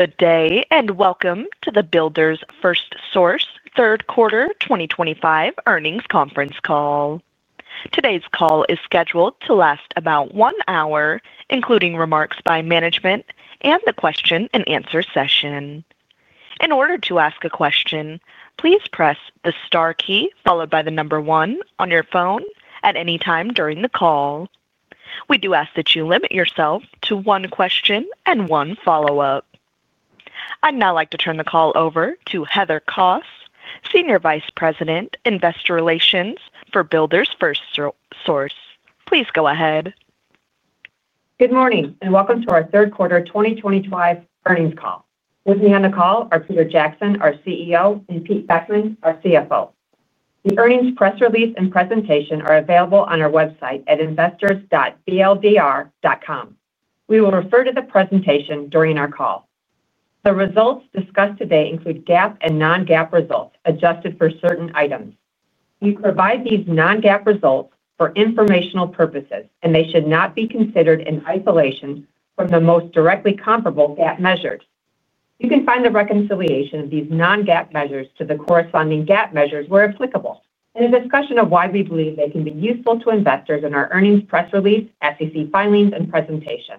Good day and welcome to the Builders FirstSource third quarter 2025 earnings conference call. Today's call is scheduled to last about one hour, including remarks by management and the question-and-answer session. In order to ask a question, please press the star key followed by the number one on your phone at any time during the call. We do ask that you limit yourself to one question and one follow up. I'd now like to turn the call over to Heather Kos, Senior Vice President, Investor Relations for Builders FirstSource. Please go ahead. Good morning and welcome to our third quarter 2025 earnings call. With me on the call are Peter Jackson, our CEO, and Pete Beckmann, our CFO. The earnings press release and presentation are available on our website at investors.bldr.com. We will refer to the presentation during our call. The results discussed today include GAAP and non-GAAP results adjusted for certain items. We provide these non-GAAP results for informational purposes and they should not be considered in isolation from the most directly comparable GAAP measures. You can find the reconciliation of these non-GAAP measures to the corresponding GAAP measures, where applicable, and a discussion of why we believe they can be useful to investors in our earnings press release, SEC filings, and presentation.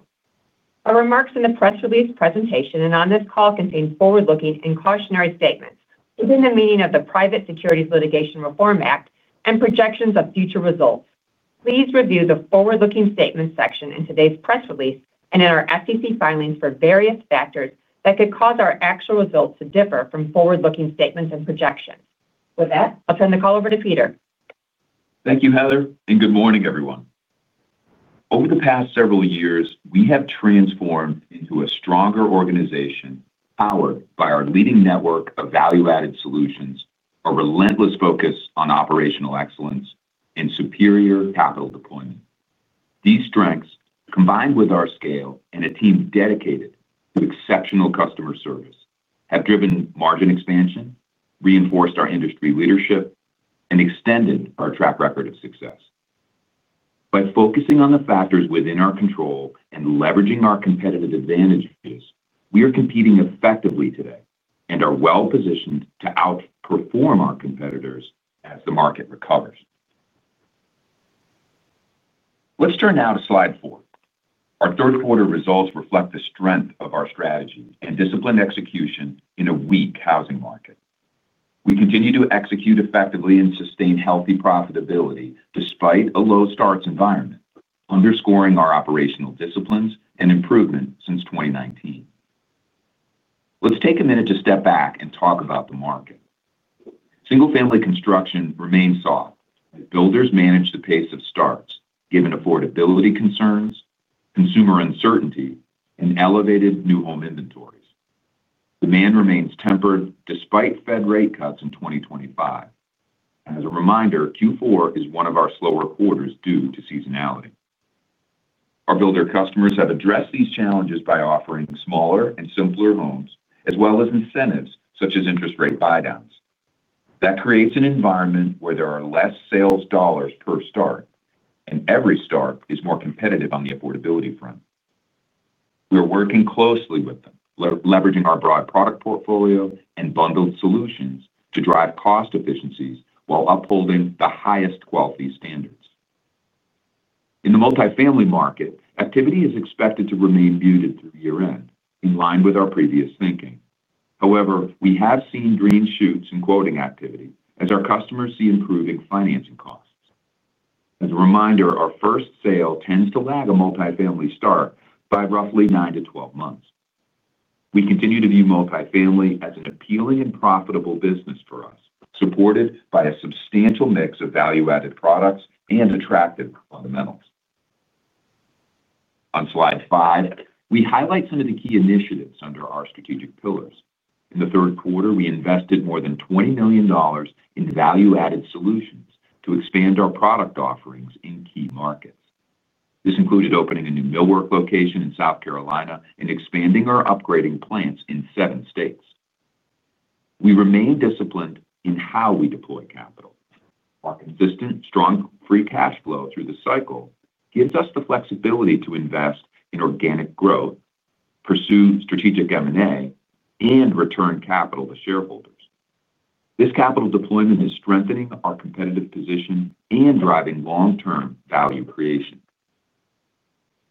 Our remarks in the press release, presentation, and on this call contain forward-looking and cautionary statements within the meaning of the Private Securities Litigation Reform Act and projections of future results. Please review the Forward-Looking Statements section in today's press release and in our SEC filings for various factors that could cause our actual results to differ from forward-looking statements and projections. With that, I'll turn the call over to Peter. Thank you, Heather, and good morning, everyone. Over the past several years, we have transformed into a stronger organization powered by our leading network of value-added solutions, a relentless focus on operational excellence, and superior capital deployment. These strengths, combined with our scale and a team dedicated to exceptional customer service, have driven margin expansion, reinforced our industry leadership, and extended our track record of success. By focusing on the factors within our control and leveraging our competitive advantages, we are competing effectively today and are well positioned to outperform our competitors as the market recovers. Let's turn now to Slide 4. Our third quarter results reflect the strength of our strategy and disciplined execution in a weak housing market. We continue to execute effectively and sustain healthy profitability despite a low starts environment, underscoring our operational disciplines and improvement since 2019. Let's take a minute to step back and talk about the market. Single-family construction remains soft. Builders manage the pace of starts given affordability concerns, consumer uncertainty, and elevated new home inventories. Demand remains tempered despite Fed rate cuts in 2025. As a reminder, Q4 is one of our slower quarters due to seasonality. Our builder customers have addressed these challenges by offering smaller and simpler homes as well as incentives such as interest rate buy downs. That creates an environment where there are less sales dollars per start and every start is more competitive. On the affordability front, we're working closely with them, leveraging our broad product portfolio and bundled solutions to drive cost efficiencies while upholding the highest quality standards. In the multifamily market, activity is expected to remain muted through year end, in line with our previous thinking. However, we have seen green shoots in quoting activity as our customers see improving financing costs. As a reminder, our first sale tends to lag a multifamily start by roughly nine to 12 months. We continue to view multifamily as an appealing and profitable business for us, supported by a substantial mix of value-added products and attractive fundamentals. On Slide 5, we highlight some of the key initiatives under our strategic pillars. In the third quarter, we invested more than $20 million in value-added solutions to expand our product offerings in key markets. This included opening a new millwork location in South Carolina and expanding or upgrading plants in seven states. We remain disciplined in how we deploy capital. Our consistent, strong free cash flow through the cycle gives us the flexibility to invest in organic growth, pursue strategic M&A, and return capital to shareholders. This capital deployment is strengthening our competitive position and driving long-term value creation.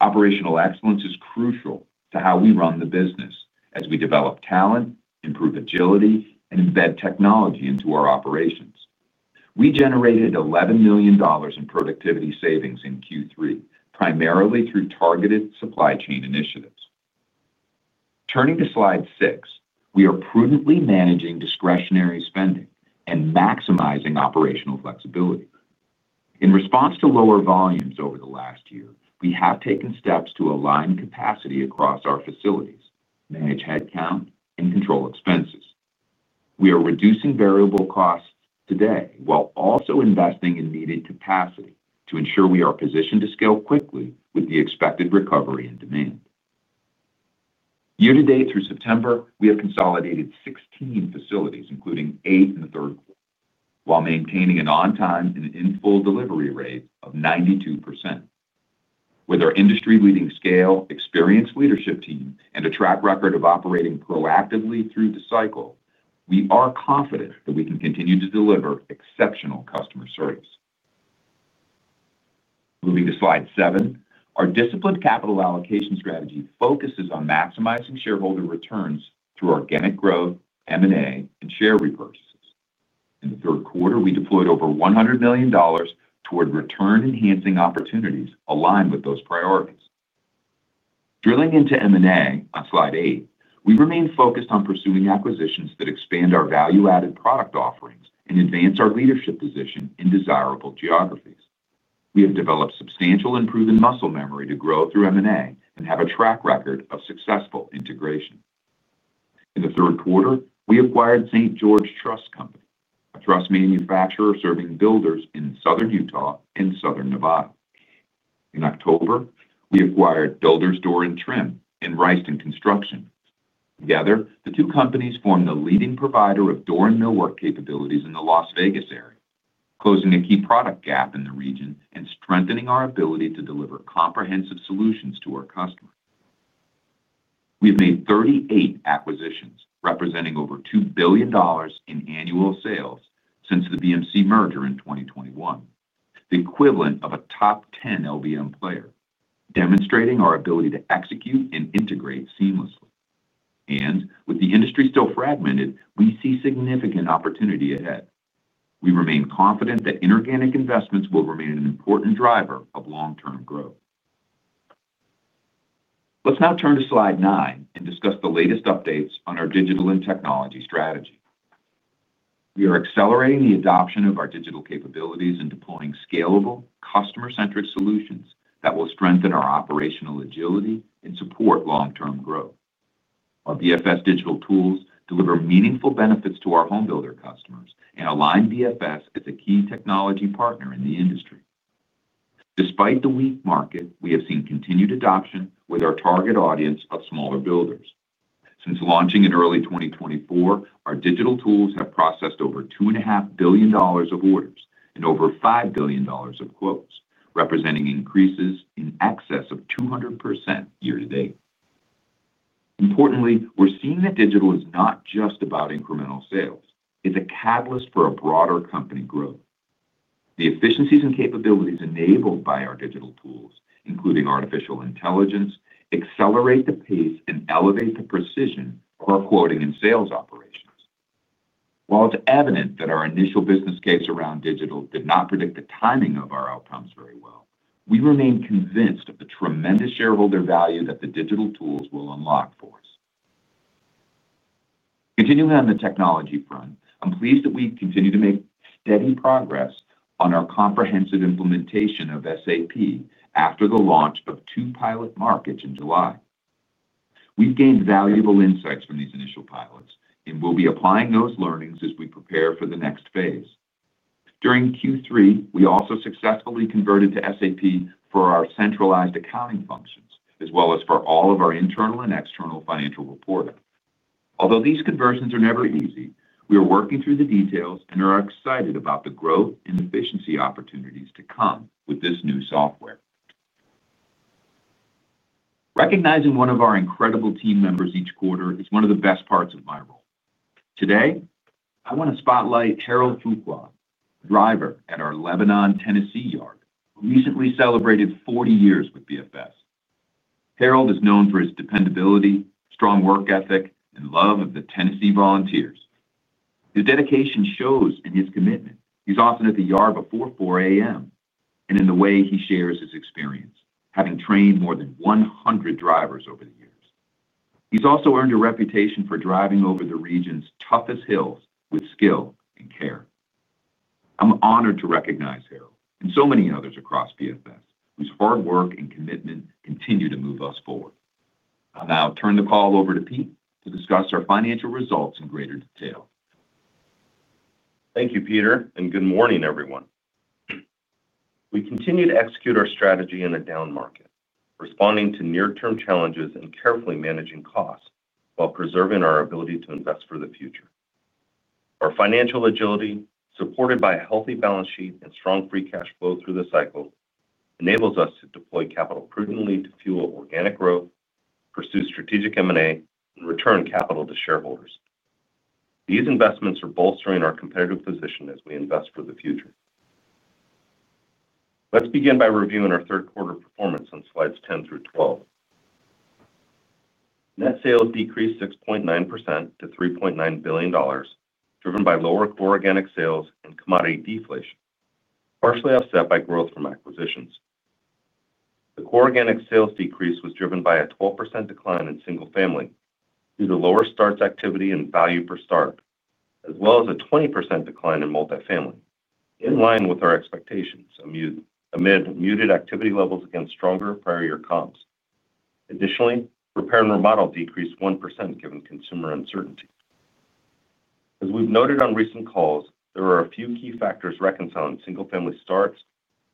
Operational excellence is crucial to how we run the business as we develop talent, improve agility, and embed technology into our operations. We generated $11 million in productivity savings in Q3, primarily through targeted supply chain initiatives. Turning to Slide 6, we are prudently managing discretionary spending and maximizing operational flexibility. In response to lower volumes over the last year, we have taken steps to align capacity across our facilities, manage headcount, and control expenses. We are reducing variable costs today while also investing in needed capacity to ensure we are positioned to scale quickly with the expected recovery in demand. Year-to-date through September, we have consolidated 16 facilities, including eight in the third quarter, while maintaining an on time and in full delivery rate of 92%. With our industry-leading scale, experienced leadership team, and a track record of operating proactively through the cycle, we are confident that we can continue to deliver exceptional customer service. Moving to slide 7, our disciplined capital allocation strategy focuses on maximizing shareholder returns through organic growth, M&A, and share repurchases. In the third quarter, we deployed over $100 million toward return-enhancing opportunities aligned with those priorities. Drilling into M&A on slide 8, we remain focused on pursuing acquisitions that expand our value-added product offerings and advance our leadership position in desirable geographies. We have developed substantial and proven muscle memory to grow through M&A and have a track record of successful integration. In the third quarter, we acquired St. George Truss Co., a truss manufacturer serving builders in southern Utah and southern Nevada. In October, we acquired Builders Door and Trim and Ryston Construction. Together, the two companies form the leading provider of door and millwork capabilities in the Las Vegas area, closing a key product gap in the region and strengthening our ability to deliver comprehensive solutions to our customers. We've made 38 acquisitions representing over $2 billion in annual sales since the BMC merger in 2021, the equivalent of a top 10 LBM player, demonstrating our ability to execute and integrate seamlessly. With the industry still fragmented, we see significant opportunity ahead. We remain confident that inorganic investments will remain an important driver of long-term growth. Let's now turn to slide 9 and discuss the latest updates on our digital and technology strategy. We are accelerating the adoption of our digital capabilities and deploying scalable customer-centric solutions that will strengthen our operational agility and support long-term growth. Our BFS digital tools deliver meaningful benefits to our homebuilder customers and align BFS is a key technology partner in the industry. Despite the weak market, we have seen continued adoption with our target audience of smaller builders. Since launching in early 2024, our digital tools have processed over $2.5 billion of orders and over $5 billion of quotes, representing increases in excess of 200% year-to-date. Importantly, we're seeing that digital is not just about incremental sales, it's a catalyst for broader company growth. The efficiencies and capabilities enabled by our digital tools, including artificial intelligence, accelerate the pace and elevate the precision of our quoting and sales operations. While it's evident that our initial business case around digital did not predict the timing of our outcomes very well, we remain convinced of the tremendous shareholder value that the digital tools will unlock for us. Continuing on the technology front, I'm pleased that we continue to make steady progress on our comprehensive implementation of SAP. After the launch of two pilot markets in July, we gained valuable insights from these initial pilots and we'll be applying those learnings as we prepare for the next phase. During Q3, we also successfully converted to SAP for our centralized accounting functions as well as for all of our internal and external financial reporting. Although these conversions are never easy, we are working through the details and are excited about the growth and efficiency opportunities to come with this new software. Recognizing one of our incredible team members each quarter is one of the best parts of my role. Today, I want to spotlight Harold Fuqua, driver at our Lebanon, Tennessee yard who recently celebrated 40 years with BFS. Harold is known for his dependability, strong work ethic, and love of the Tennessee Volunteers. His dedication shows in his commitment. He's often at the yard before 4:00 A.M. and in the way he shares his experience. Having trained more than 100 drivers over the years, he's also earned a reputation for driving over the region's toughest hills with skill and care. I'm honored to recognize Harold and so many others across BFS whose hard work and commitment continue to move us forward. I'll now turn the call over to Pete to discuss our financial results in greater detail. Thank you, Peter, and good morning, everyone. We continue to execute our strategy in a down market, responding to near-term challenges and carefully managing costs while preserving our ability to invest for the future. Our financial agility, supported by a healthy balance sheet and strong free cash flow through the cycle, enables us to deploy capital prudently to fuel organic growth, pursue strategic M&A, and return capital to shareholders. These investments are bolstering our competitive position as we invest for the future. Let's begin by reviewing our third quarter performance on slides 10 through 12. Net sales decreased 6.9% to $3.9 billion, driven by lower core organic sales and commodity deflation, partially offset by growth from acquisitions. The core organic sales decrease was driven by a 4% decline in single family due to lower starts, activity, and value per start, as well as a 20% decline in multifamily in line with our expectations amid muted activity levels against stronger prior year comps. Additionally, repair and remodel decreased 1% given consumer uncertainty. As we've noted on recent calls, there are a few key factors reconciling single family starts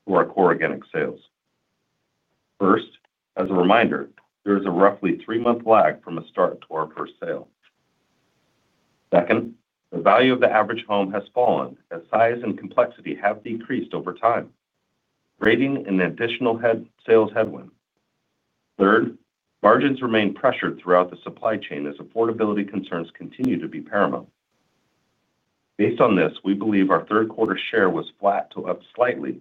to our core organic sales. First, as a reminder, there is a roughly three-month lag from a start to our first sale. Second, the value of the average home has fallen as size and complexity have decreased over time, creating an additional sales headwind. Third, margins remain pressured throughout the supply chain as affordability concerns continue to be paramount. Based on this, we believe our third quarter share was flat to up slightly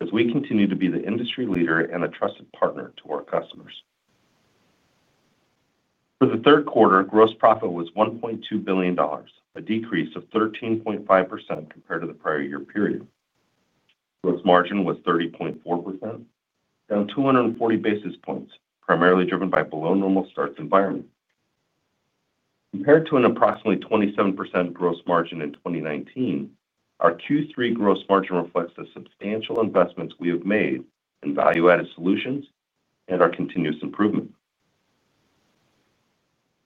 as we continue to be the industry leader and a trusted partner to our customers. For the third quarter, gross profit was $1.2 billion, a decrease of 13.5% compared to the prior year period. Gross margin was 30.4%, down 240 basis points, primarily driven by below-normal starts environment compared to an approximately 27% gross margin in 2019. Our Q3 gross margin reflects the substantial investments we have made in value-added solutions and our continuous improvement.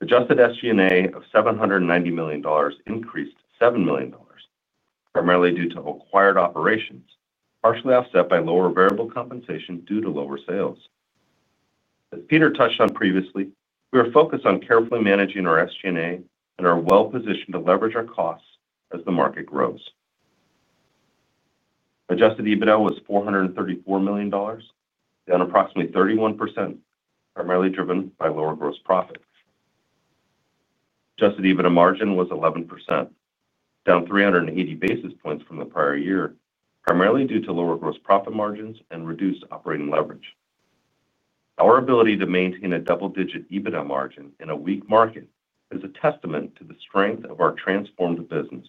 Adjusted SG&A of $790 million increased $7 million, primarily due to acquired operations, partially offset by lower variable compensation due to lower sales. As Peter touched on previously, we are focused on carefully managing our SG&A and are well positioned to leverage our costs as the market grows. Adjusted EBITDA was $434 million, down approximately 31%, primarily driven by lower gross profit. Adjusted EBITDA margin was 11%, down 380 basis points from the prior year, primarily due to lower gross profit margins and reduced operating leverage. Our ability to maintain a double digit EBITDA margin in a weak market is a testament to the strength of our transformed business.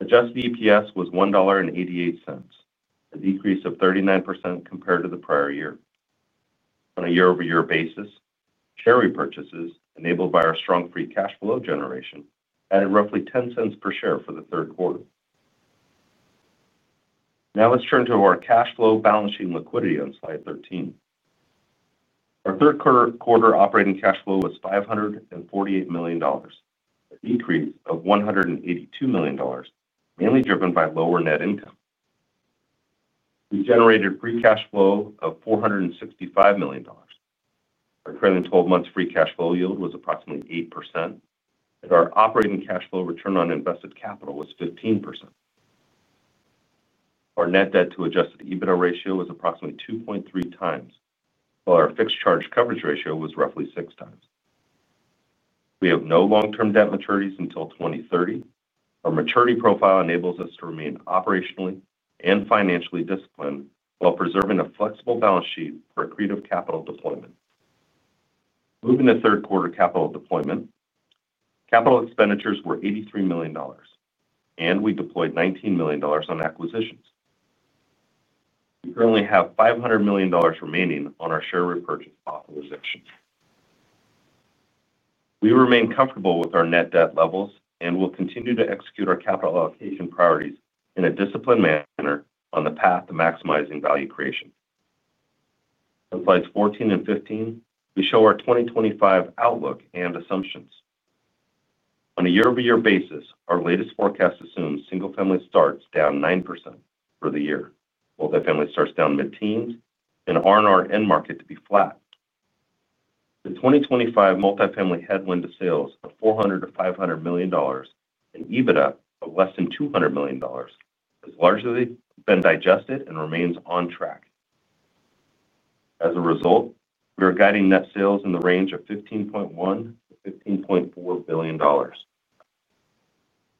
Adjusted EPS was $1.88, a decrease of 39% compared to the prior year. On a year-over-year basis, share repurchases enabled by our strong free cash flow generation added roughly $0.10 per share for the third quarter. Now let's turn to our cash flow, balance sheet, and liquidity. On slide 13, our third quarter operating cash flow was $548 million, a decrease of $182 million mainly driven by lower net income. We generated free cash flow of $465 million. Our current 12 months free cash flow yield was approximately 8% and our operating cash flow return on invested capital was 15%. Our net debt to adjusted EBITDA ratio was approximately 2.3x while our fixed charge coverage ratio was roughly 6x. We have no long-term debt maturities until 2030. Our maturity profile enables us to remain operationally and financially disciplined while preserving a flexible balance sheet for accretive capital deployment. Moving to third quarter capital deployment, capital expenditures were $83 million and we deployed $19 million on acquisitions. We currently have $500 million remaining on our share repurchase authorization. We remain comfortable with our net debt levels and will continue to execute our capital allocation priorities in a disciplined manner on the path to maximizing value creation. On slides 14 and 15, we show our 2025 outlook and assumptions. On a year-over-year basis, our latest forecast assumes single family starts down 9% for the year, multifamily starts down mid-teens, and R&R end market to be flat. The 2025 multifamily headwind of sales of $400 million-$500 million and EBITDA of less than $200 million has largely been digested and remains on track. As a result, we are guiding net sales in the range of $15.1 billion-$15.4 billion.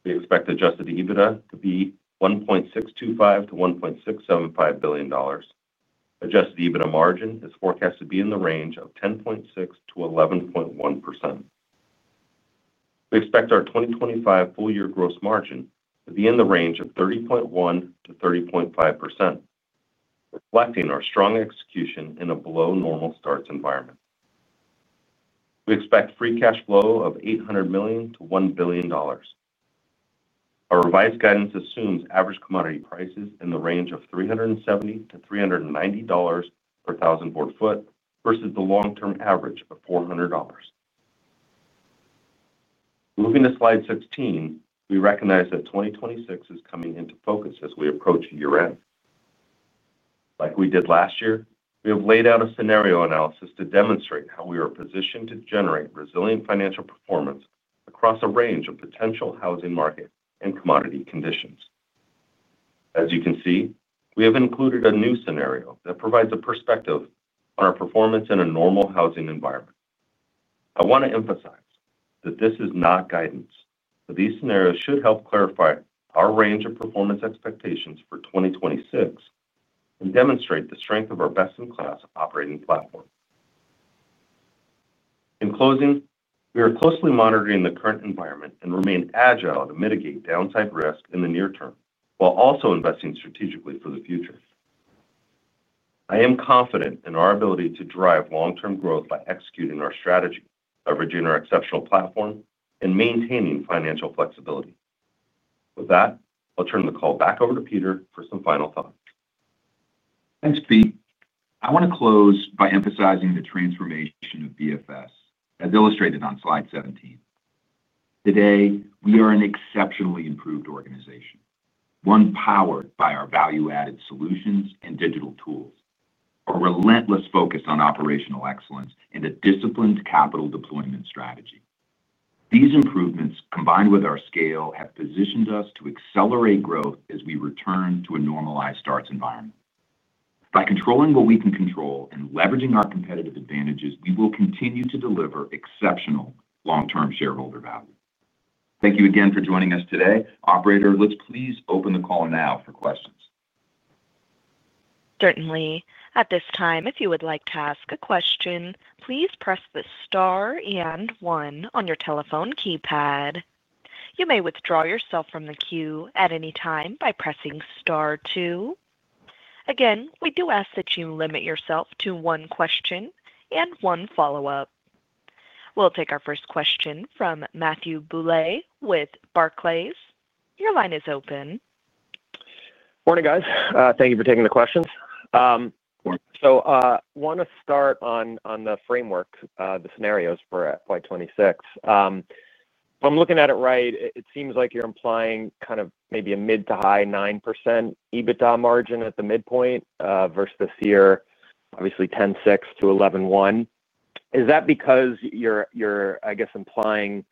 We expect adjusted EBITDA to be $1.625 billion-$1.675 billion. Adjusted EBITDA margin is forecast to be in the range of 10.6%-11.1%. We expect our 2025 full year gross margin to be in the range of 30.1%-30.5%. Reflecting our strong execution in a below normal starts environment, we expect free cash flow of $800 million-$1 billion. Our revised guidance assumes average commodity prices in the range of $370-$390 per thousand board foot versus the long-term average of $400. Moving to slide 16, we recognize that 2026 is coming into focus as we approach year end. Like we did last year, we have laid out a scenario analysis to demonstrate how we are positioned to generate resilient financial performance across a range of potential housing market and commodity conditions. As you can see, we have included a new scenario that provides a perspective on our performance in a normal housing environment. I want to emphasize that this is not guidance, but these scenarios should help clarify our range of performance expectations for 2026 and demonstrate the strength of our best-in-class operating platform. In closing, we are closely monitoring the current environment and remain agile to mitigate downside risk in the near term while also investing strategically for the future. I am confident in our ability to drive long-term growth by executing our strategy, leveraging our exceptional platform, and maintaining financial flexibility. With that, I'll turn the call back over to Peter for some final thoughts. Thanks, Pete. I want to close by emphasizing the transformation of BFS as illustrated on slide 17 today. We are an exceptionally improved organization, one powered by our value-added solutions and digital tools, a relentless focus on operational excellence, and a disciplined capital deployment strategy. These improvements, combined with our scale, have positioned us to accelerate growth as we return to a normalized starts environment. By controlling what we can control and leveraging our competitive advantages, we will continue to deliver exceptional long-term shareholder value. Thank you again for joining us today. Operator, let's please open the call now for questions. Certainly at this time, if you would like to ask a question, please press the star and one on your telephone keypad. You may withdraw yourself from the queue at any time by pressing star two. Again, we do ask that you limit yourself to one question and one follow-up. We'll take our first question from Matthew Bouley with Barclays. Your line is open. Morning guys. Thank you for taking the questions. I want to start on the framework, the scenarios for FY 2026. If I'm looking at it right, it seems like you're implying kind of maybe a mid to high 9% EBITDA margin at the midpoint versus this year, obviously 10.6%-11.1%. Is that because you're, I guess, implying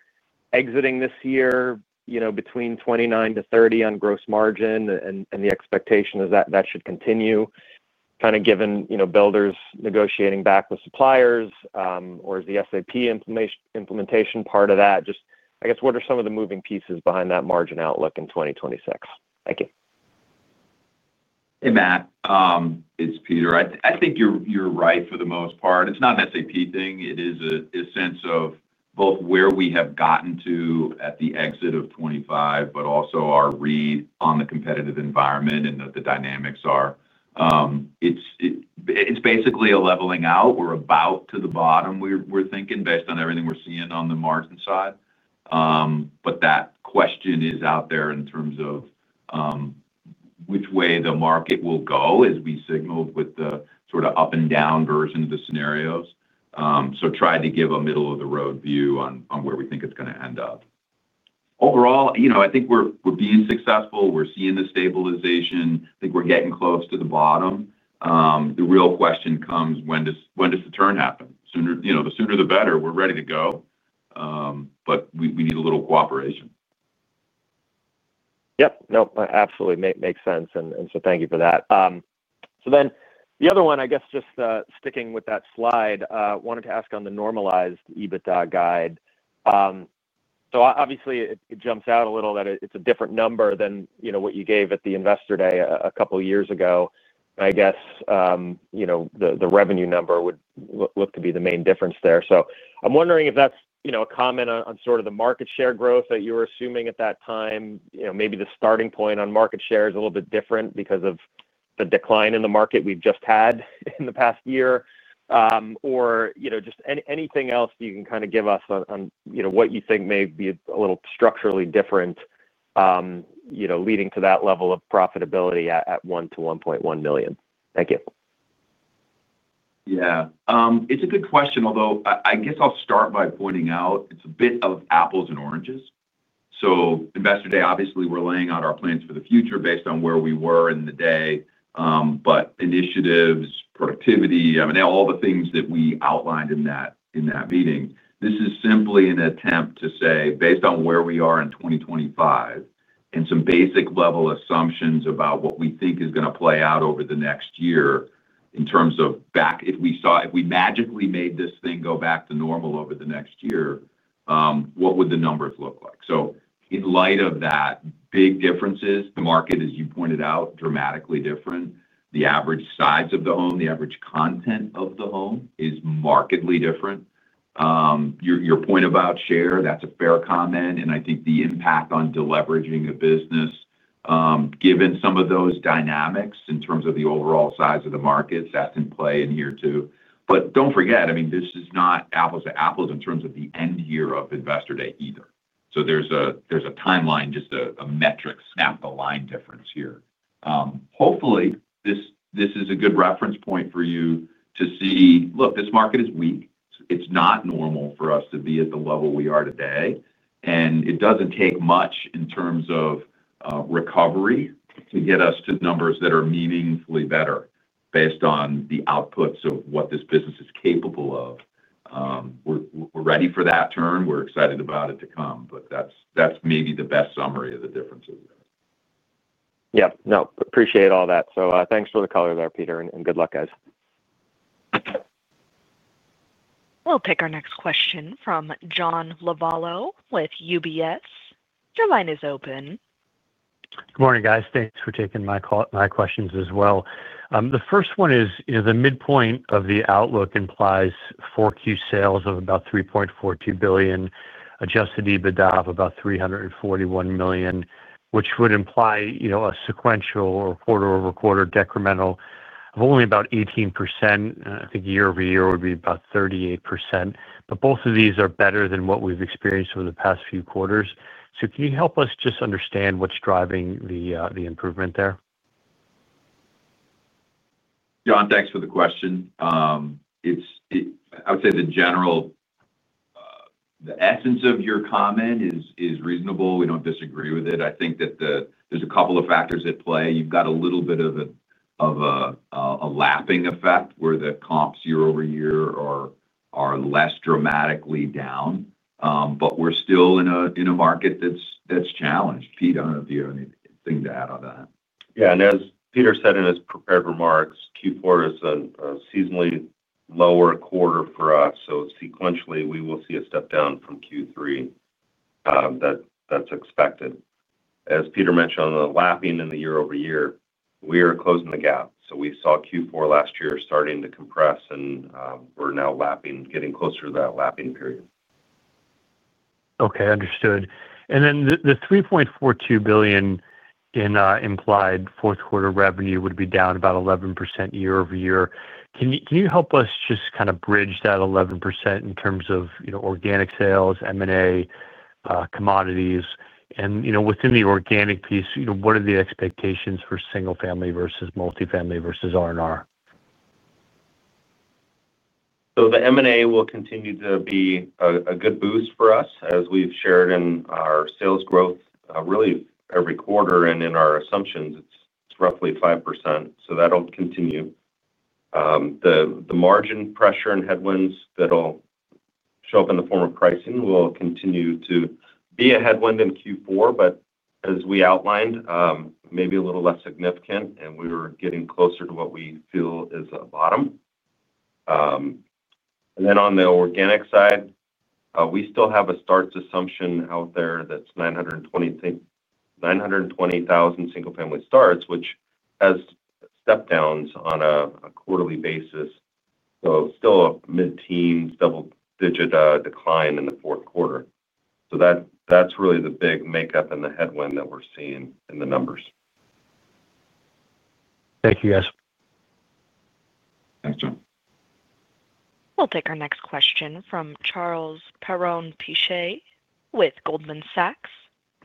exiting this year, you know, between 29%-30% on gross margin and the expectation is that that should continue kind of given, you know, Builders negotiating back with suppliers or is the SAP implementation part of that. Just, I guess, what are some of the moving pieces behind that margin outlook in 2026? Thank you. Hey Matt, it's Peter. I think you're right for the most part. It's not an SAP thing. It is a sense of both where we have gotten to at the exit of 2025, but also our read on the competitive environment and the dynamics are. It's basically a leveling out, we're about to the bottom. We're thinking based on everything we're seeing on the margin side. That question is out there in terms of which way the market will go as we signaled with the sort of up and down version of the scenarios. We try to give a middle of the road view on where we think it's going to end up. Overall, I think we're being successful. We're seeing the stabilization. I think we're getting close to the bottom. The real question comes when does the turn happen? The sooner the better, we're ready to go, but we need a little cooperation. Yep. Absolutely makes sense. Thank you for that. Just sticking with that slide, wanted to ask on the normalized EBITDA guide. Obviously it jumps out a little that it's a different number than what you gave at the investor day a couple years ago. I guess the revenue number would look to be the main difference there. I'm wondering if that's a comment on sort of the market share growth that you were assuming at that time. Maybe the starting point on market share is a little bit different because of the decline in the market we've just had in the past year or just anything else you can kind of give us on what you think may be a little structurally different, you know, leading to that level of profitability at $1 million-$1.1 million. Thank you. Yeah, it's a good question. Although I guess I'll start by pointing out it's a bit of apples and oranges. Investor Day, obviously we're laying out our plans for the future based on where we were in the day. Initiatives, productivity, all the things that we outlined in that meeting, this is simply an attempt to say based on where we are in 2025 and some basic level assumptions about what we think is going to play out over the next year in terms of back, if we saw, if we magically made this thing go back to normal over the next year, what would the numbers look like? In light of that, big differences, the market, as you pointed out, dramatically different. The average size of the home, the average content of the home is markedly different. Your point about share, that's a fair comment. I think the impact on deleveraging a business, given some of those dynamics in terms of the overall size of the markets, that can play in here too. Don't forget, this is not apples to apples in terms of the end year of Investor Day either. There's a timeline, just a metric snap the line difference here. Hopefully this is a good reference point for you to see. Look, this market is weak. It's not normal for us to be at the level we are today. It doesn't take much in terms of recovery to get us to numbers that are meaningfully better based on the outputs of what this business is capable of. We're ready for that turn. We're excited about it to come. That's maybe the best summary of the differences. Yeah, appreciate all that. Thanks for the color there, Peter, and good luck, guys. Pick our next question from John Lovallo with UBS. Your line is open. Good morning, guys. Thanks for taking my call, my questions as well. The first one is the midpoint of the outlook implies 4Q sales of about $3.42 billion, adjusted EBITDA of about $341 million, which would imply a sequential or quarter-over-quarter decremental of only about 18%. I think year-over-year would be about 38%. Both of these are better than what we've experienced over the past few quarters. Can you help us just understand what's driving the improvement there? John, thanks for the question. I would say the general, the essence of your comment is reasonable. We don't disagree with it. I think that there's a couple of factors at play. You've got a little bit of a lapping effect where the comps year-over-year are less dramatically down, but we're still in a market that's challenged. Pete, I don't know if you have anything to add on that. Yeah. As Peter said in his prepared remarks, Q4 is a seasonally lower quarter for us. Sequentially, we will see a step down from Q3. That's expected. As Peter mentioned on the lapping in the year-over-year, we are closing the gap. We saw Q4 last year starting to compress and we're now lapping, getting closer to that lapping period. Okay, understood. The $3.42 billion in implied fourth quarter revenue would be down about 11% year-over-year. Can you help us just kind of bridge that 11% in terms of organic sales, M&A, commodities, and within the organic piece, what are the expectations for single family versus multifamily versus R&R? The M&A will continue to be a good boost for us as we've shared in our sales growth really every quarter. In our assumptions it's roughly 5%. That'll continue. The margin pressure and headwinds that'll show up in the form of pricing will continue to be a headwind in Q4, but as we outlined, maybe a little less significant and we are getting closer to what we feel is a bottom. On the organic side, we still have a starts assumption out there that's 920,000 single family starts, which has step downs on a quarterly basis. Still a mid teens double digit decline in the fourth quarter. That's really the big makeup and the headwind that we're seeing in the numbers. Thank you, guys. Thanks, John. We'll take our next question from Charles Perron-Piche with Goldman Sachs.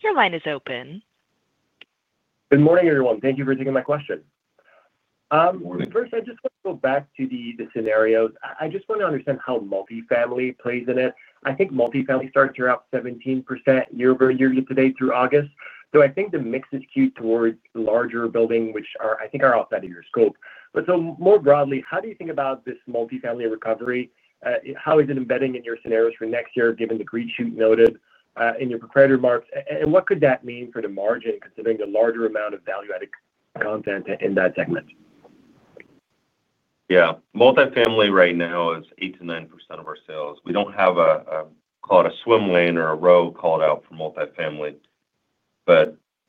Your line is open. Good morning, everyone. Thank you for taking my question. First, I just want to go back to the scenarios. I just want to understand how multifamily plays in it. I think multifamily starts are up 17% year-over-year today through August. I think the mix is skewed towards larger buildings which are, I think, outside of your scope. More broadly, how do you think about this multifamily recovery? How is it embedding in your scenarios for next year given the green shoot noted in your prepared remarks? What could that mean for the margin considering the larger amount of value-added content in that segment? Yeah, multifamily right now is 8%-9% of our sales. We don't have a, call it a swim lane or a row called out for multifamily.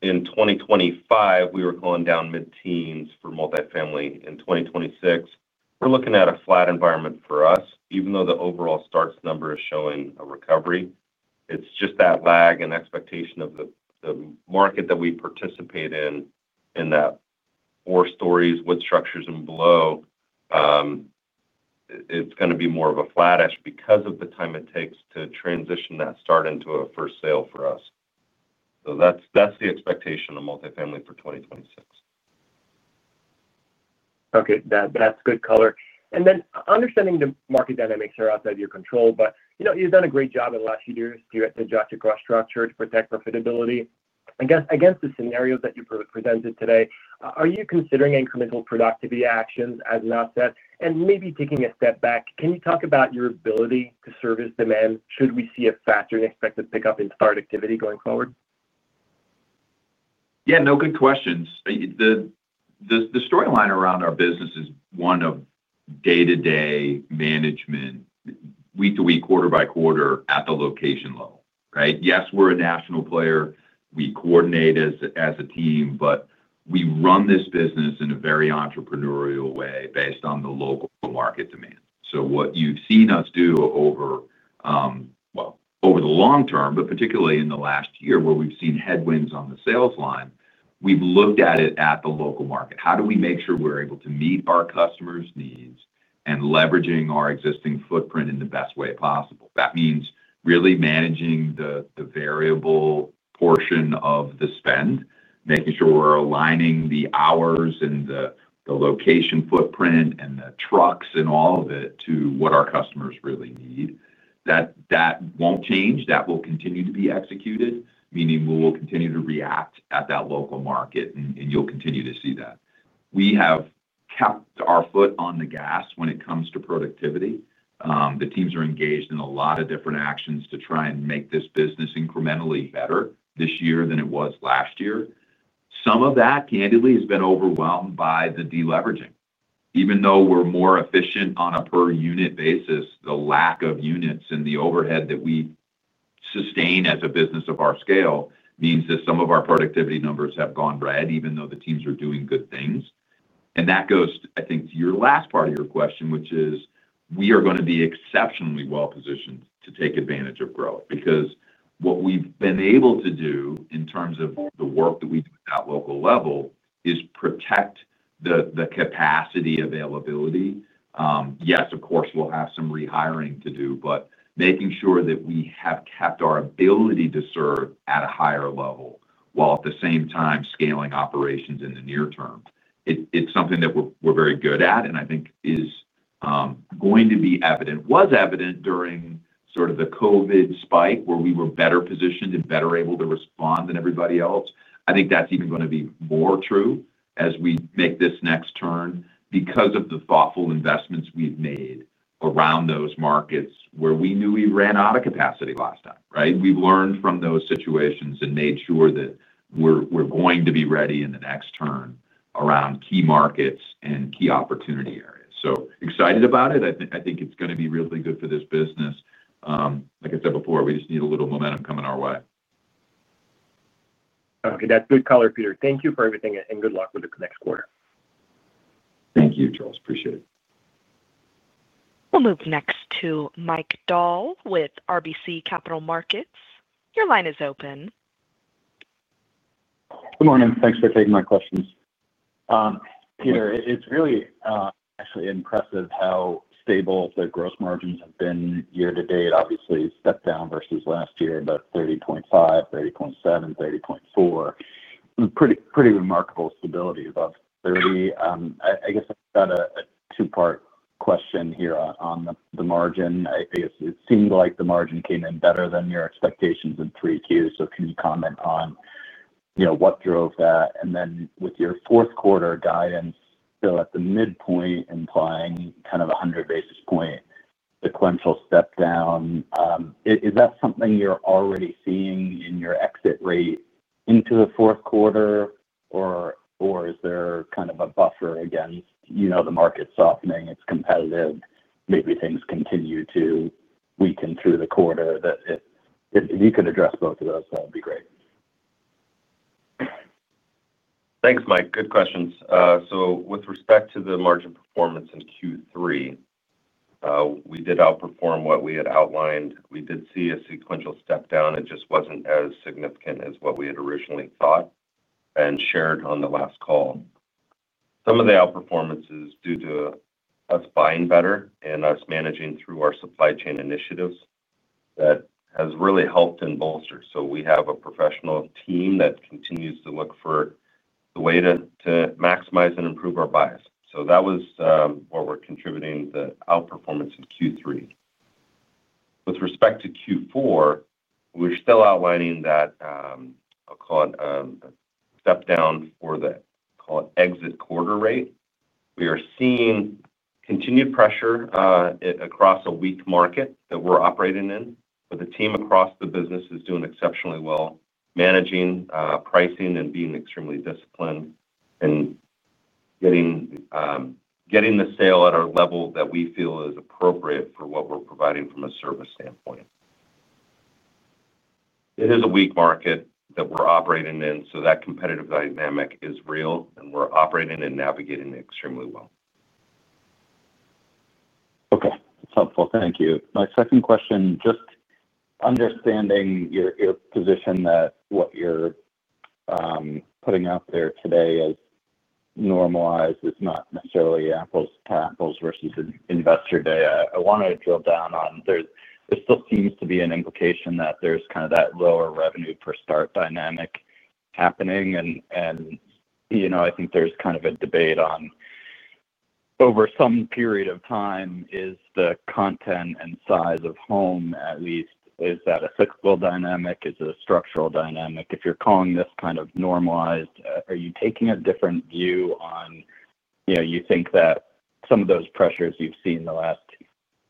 In 2025 we were going down mid teens for multifamily. In 2026 we're looking at a flat environment for us. Even though the overall starts number is showing a recovery, it's just that lag and expectation of the market that we participate in, in that four stories, wood structures and below, it's going to be more of a flat-ish because of the time it takes to transition that start into a first sale for us. That's the expectation of multifamily for 2026. Okay, that's good color. Understanding the market dynamics are outside your control. You know, you've done a great job in the last few years here at the Builders FirstSource structure to protect profitability, I guess against the scenarios that you presented today. Are you considering incremental productivity actions as an asset, and maybe taking a step back, can you talk about your ability to service demand? Should we see a faster than expected pickup in productivity going forward? Yeah, no, good questions. The storyline around our business is one of the day-to-day management, week to week, quarter by quarter at the location level, right? Yes, we're a national player, we coordinate as a team, but we run this business in a very entrepreneurial way based on the local market demand. What you've seen us do over the long-term, but particularly in the last year where we've seen headwinds on the sales line, we've looked at it at the local market. How do we make sure we're able to meet our customers' needs and leverage our existing footprint in the best way possible? That means really managing the variable portion of the spend, making sure we're aligning the hours and the location footprint and the trucks and all of it to what our customers really need. That won't change. That will continue to be executed, meaning we will continue to react at that local market and you'll continue to see that. We have kept our foot on the gas when it comes to productivity. The teams are engaged in a lot of different actions to try and make this business incrementally better this year than it was last year. Some of that, candidly, has been overwhelmed by the deleveraging. Even though we're more efficient on a per unit basis, the lack of units and the overhead that we sustain as a business of our scale means that some of our productivity numbers have gone red even though the teams are doing good things. I think that goes to your last part of your question, which is we are going to be exceptionally well positioned to take advantage of growth because what we've been able to do in terms of the work that we do at the local level is protect the capacity availability. Yes, of course, we'll have some rehiring to do, but making sure that we have kept our ability to serve at a higher level while at the same time scaling operations in the near term is something that we're very good at and I think is going to be evident. It was evident during the COVID spike where we were better positioned and better able to respond than everybody else. I think that's even going to be more true as we make this next turn because of the thoughtful investments we've made around those markets where we knew we ran out of capacity last time. We've learned from those situations and made sure that we're going to be ready in the next time, around key markets and key opportunity areas. Excited about it. I think it's going to be really good for this business. Like I said before, we just need a little momentum coming our way. Okay, that's good color. Peter, thank you for everything and good luck with the next quarter. Thank you, Charles. Appreciate it. We'll move next to Mike Dahl with RBC Capital Markets. Your line is open. Good morning. Thanks for taking my questions. Peter, it's really actually impressive how stable the gross margins have been year-to-date. Obviously stepped down versus last year, about 30.5%, 30.7%, 30.4%. Pretty remarkable stability above 30%, I guess. I've got a two part question here on the margin. It seemed like the margin came in better than your expectations in 3Q. Can you comment on what drove that? With your fourth quarter guidance still at the midpoint, implying kind of 100 basis point sequential step down, is that something you're already seeing in your exit rate into the fourth quarter or is there kind of a buffer against, you know, the market softening? It's competitive. Maybe things continue to weaken through the quarter, if you could address both of those, that would be great. Thanks, Mike. Good questions. With respect to the margin performance in Q3, we did outperform what we had outlined. We did see a sequential step down. It just wasn't as significant as what we had originally thought and shared on the last call. Some of the outperformance is due to us buying better and us managing through our supply chain initiatives. That has really helped and bolstered. We have a professional team that continues to look for the way to maximize and improve our bias, so that was what we're contributing. The outperformance in Q3 with respect to Q4, we're still outlining that. I'll call it step down for the, call it exit quarter rate. We are seeing continued pressure across a weak market that we're operating in. The team across the business is doing exceptionally well, managing pricing and being extremely disciplined and getting the sale at our level that we feel is appropriate for what we're providing from a service standpoint. It is a weak market that we're operating in. That competitive dynamic is real and we're operating and navigating extremely well. Okay, that's helpful, thank you. My second question, just understanding your position that what you're putting out there today as normalized is not necessarily apples to apples versus Investor Day. I want to drill down on. There still seems to be an implication that there's kind of that lower revenue per start dynamic happening. You know, I think there's kind of a debate on over some period of time is the content and size of home at least, is that a cyclical dynamic? Is it a structural dynamic if you're calling this kind of normalized? Are you taking a different view on, you know, you think that some of those pressures you've seen the last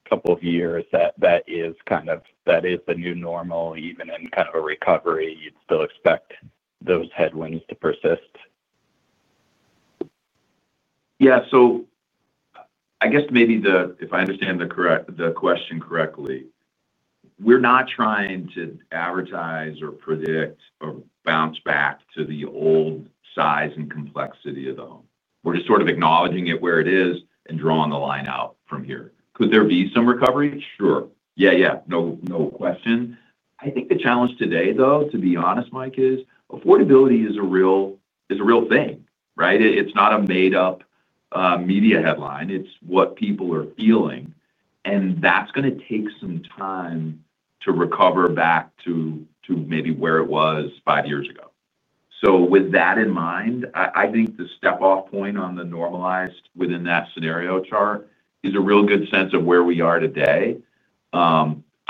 couple of years, that that is kind of, that is the new normal, even in kind of a recovery, you'd still expect those headwinds to persist? Yeah. If I understand the question correctly, we're not trying to advertise or predict or bounce back to the old size and complexity of the home. We're just sort of acknowledging it where it is and drawing the line out from here. Could there be some recovery? Sure, yeah. No question. I think the challenge today, though, to be honest, Mike, is affordability is a real thing, right. It's not a made up media headline. It's what people are feeling, and that's going to take some time to recover back to maybe where it was five years ago. With that in mind, I think the step off point on the normalized within that scenario chart is a real good sense of where we are today.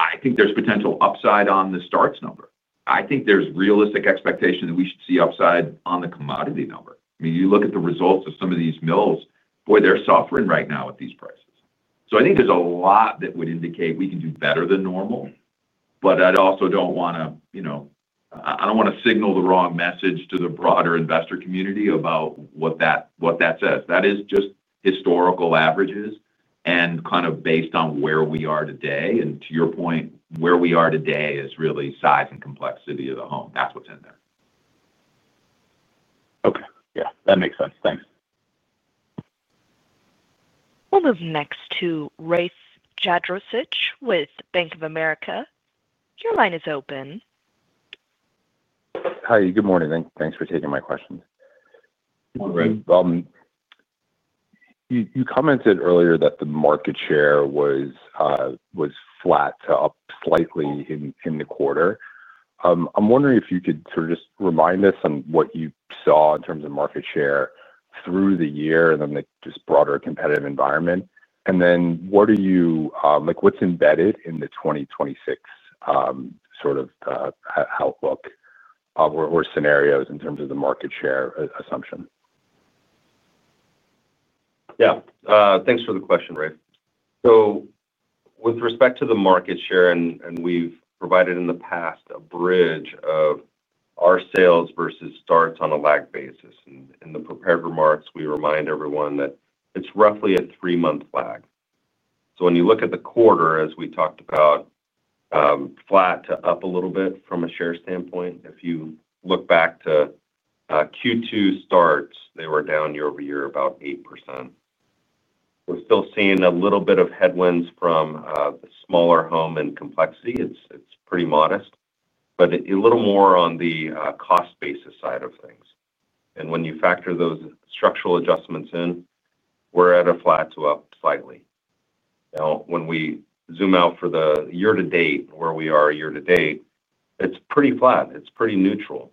I think there's potential upside on the starts number. I think there's realistic expectation that we should see upside on the commodity number. You look at the results of some of these mills, boy, they're suffering right now at these prices. I think there's a lot that would indicate we can do better than normal. I also don't want to signal the wrong message to the broader investor community about what that says. That is just historical averages and kind of based on where we are today. To your point, where we are today is really size and complexity of the home. That's what's in there. Okay, yeah, that makes sense. Thanks. We'll move next to Rafe Jadrosich with Bank of America. Your line is open. Hi, good morning. Thanks for taking my questions. You commented earlier that the market share was flat up slightly in the quarter. I'm wondering if you could just remind us on what you saw in terms of market share through the year and the broader competitive environment, and then what's embedded in the 2026 outlook or scenarios in terms of the market share assumption? Yeah, thanks for the question, Rafe. With respect to the market share, we've provided in the past a bridge of our sales versus starts on a lag basis. In the prepared remarks, we remind everyone that it's roughly a three-month lag. When you look at the quarter, as we talked about, flat to up a little bit from a share standpoint. If you look back to Q2 starts, they were down year-over-year about 8%. We're still seeing a little bit of headwinds from the smaller home and complexity. It's pretty modest, but a little more on the cost basis side of things. When you factor those structural adjustments in, we're at a flat to up slightly. Now when we zoom out for the year-to-date, where we are year-to-date, it's pretty flat, it's pretty neutral.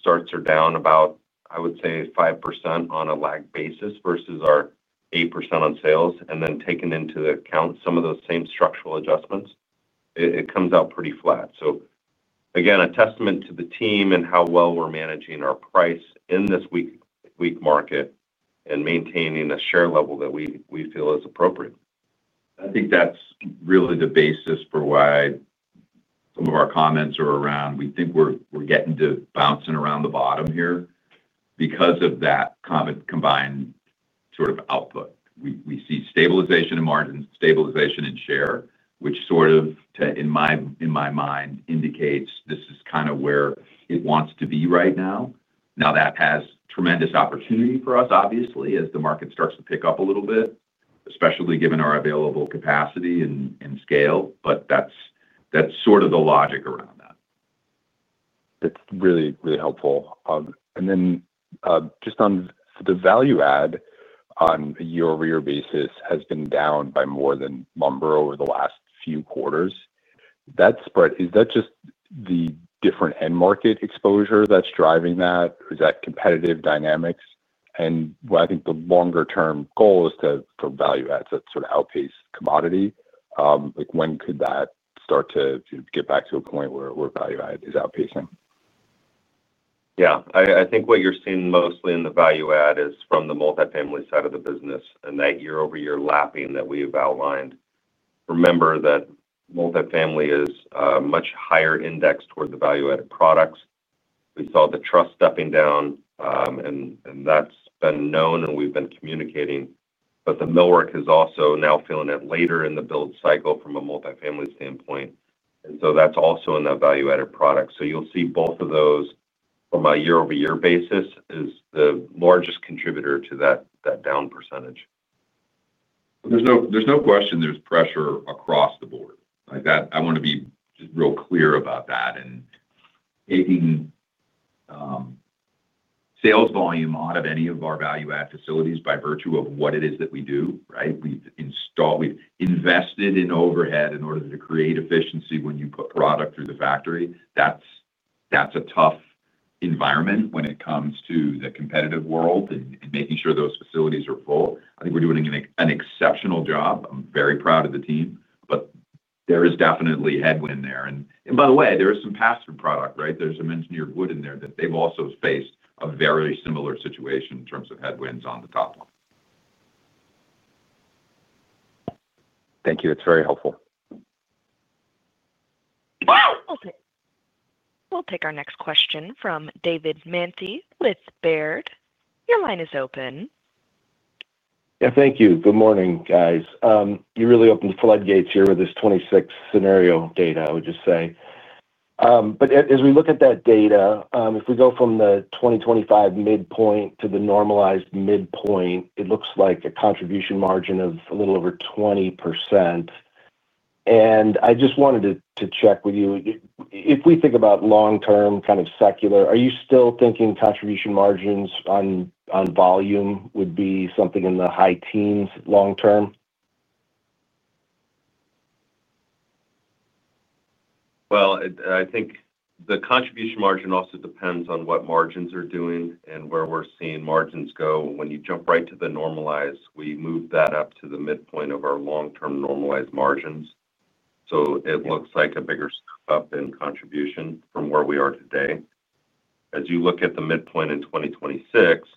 Starts are down about, I would say, 5% on a lag basis versus our 8% on sales. Taking into account some of those same structural adjustments, it comes out pretty flat. A testament to the team and how well we're managing our price in this weak market and maintaining a share level that we feel is appropriate. I think that's really the basis for why some of our comments are around. We think we're getting to bouncing around the bottom here because of that combined sort of output. We see stabilization in margins, stabilization in share, which in my mind indicates this is kind of where it wants to be right now. That has tremendous opportunity for us obviously as the market starts to pick up a little bit, especially given our available capacity and scale. That's sort of the logic around that. It's really, really helpful. Just on the value add, on a year-over-year basis, it has been down by more than lumber over the last few quarters. That spread, is that just the different end market exposure that's driving that? Is that competitive dynamics? I think the longer-term goal is for value adds that sort of outpace commodity. When could that start to get back to a point where value add is outpacing? Yeah, I think what you're seeing mostly in the value add is from the multifamily side of the business and that year-over-year lapping that we've outlined. Remember that multifamily is much higher index toward the value-added products. We saw the truss stepping down and that's been known and we've been communicating. The millwork is also now feeling it later in the build cycle from a multifamily standpoint, and that's also in that value-added product. You'll see both of those from a year-over-year basis as the largest contributor to that down percentage. There's no question there's pressure across the board like that. I want to be real clear about that. Taking sales volume out of any of our value-added facilities by virtue of what it is that we do, we've invested in overhead in order to create efficiency. When you put product through the factory, that's a tough environment when it comes to the competitive world and making sure those facilities are full. I think we're doing an exceptional job. I'm very proud of the team. There is definitely headwind there. By the way, there is some pass-through product. There's some engineered wood in there that they've also faced a very similar situation in terms of headwinds on the top problem. Thank you. It's very helpful. We'll take our next question from David Manthey with Baird. Your line is open. Thank you. Good morning, guys. You really opened floodgates here with this 2026 scenario data. I would just say, as we look at that data, if we go from the 2025 midpoint to the normalized midpoint, it looks like a contribution margin of a little over 20%. I just wanted to check with you. If we think about long-term, kind of secular, are you still thinking contribution margins on volume would be something in the high teens long-term? I think the contribution margin also depends on what margins are doing and where we're seeing margins go. When you jump right to the normalized, we move that up to the midpoint of our long-term normalized margins. It looks like a bigger step up in contribution from where we are today. As you look at the midpoint in 2026,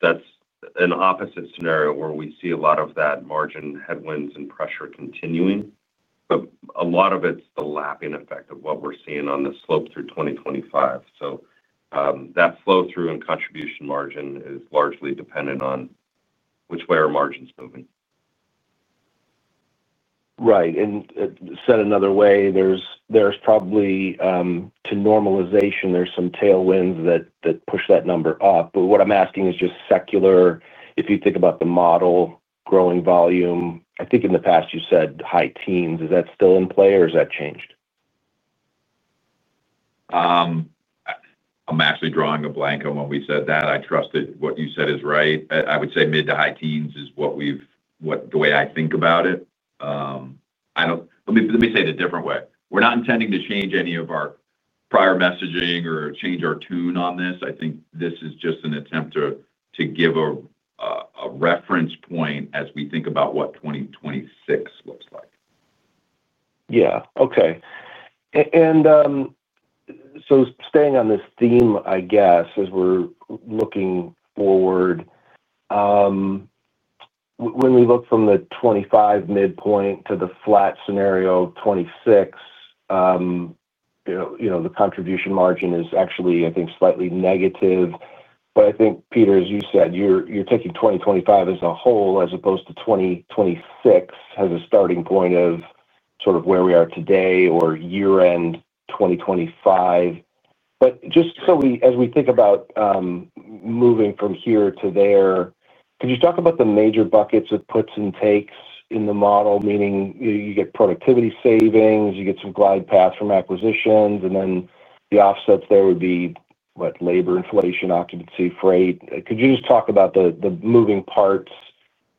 that's an opposite scenario where we see a lot of that margin headwinds and pressure continuing. A lot of it's the lapping effect of what we're seeing on the slope through 2025. That flow through in contribution margin is largely dependent on which way are margins moving. Right. Said another way, there's probably to normalization, there's some tailwinds that push that number up. What I'm asking is just secular. If you think about the model growing volume, I think in the past you said high teens, is that still in play or is that changed? I'm actually drawing a blank on when we said that. I trust what you said is right. I would say mid to high teens is what we've, the way I think about it. I don't, let me say it a different way. We're not intending to change any of our prior messaging or change our tune on this. I think this is just an attempt to give a reference point as we think about what 2026 looks like. Yeah. Okay. Staying on this theme, I guess as we're looking forward, when we look from the 2025 midpoint to the flat scenario 2026, you know, the contribution margin is actually, I think, slightly negative. I think, Peter, as you said, you're taking 2025 as a whole as opposed to 2025 as a starting point of sort of where we are today or year end 2025. Just so we, as we think about moving from here to there, could you talk about the major buckets of puts and takes in the model? Meaning you get productivity savings, you get some glide paths from acquisitions. The offsets there would be labor inflation, occupancy, freight. Could you just talk about the moving parts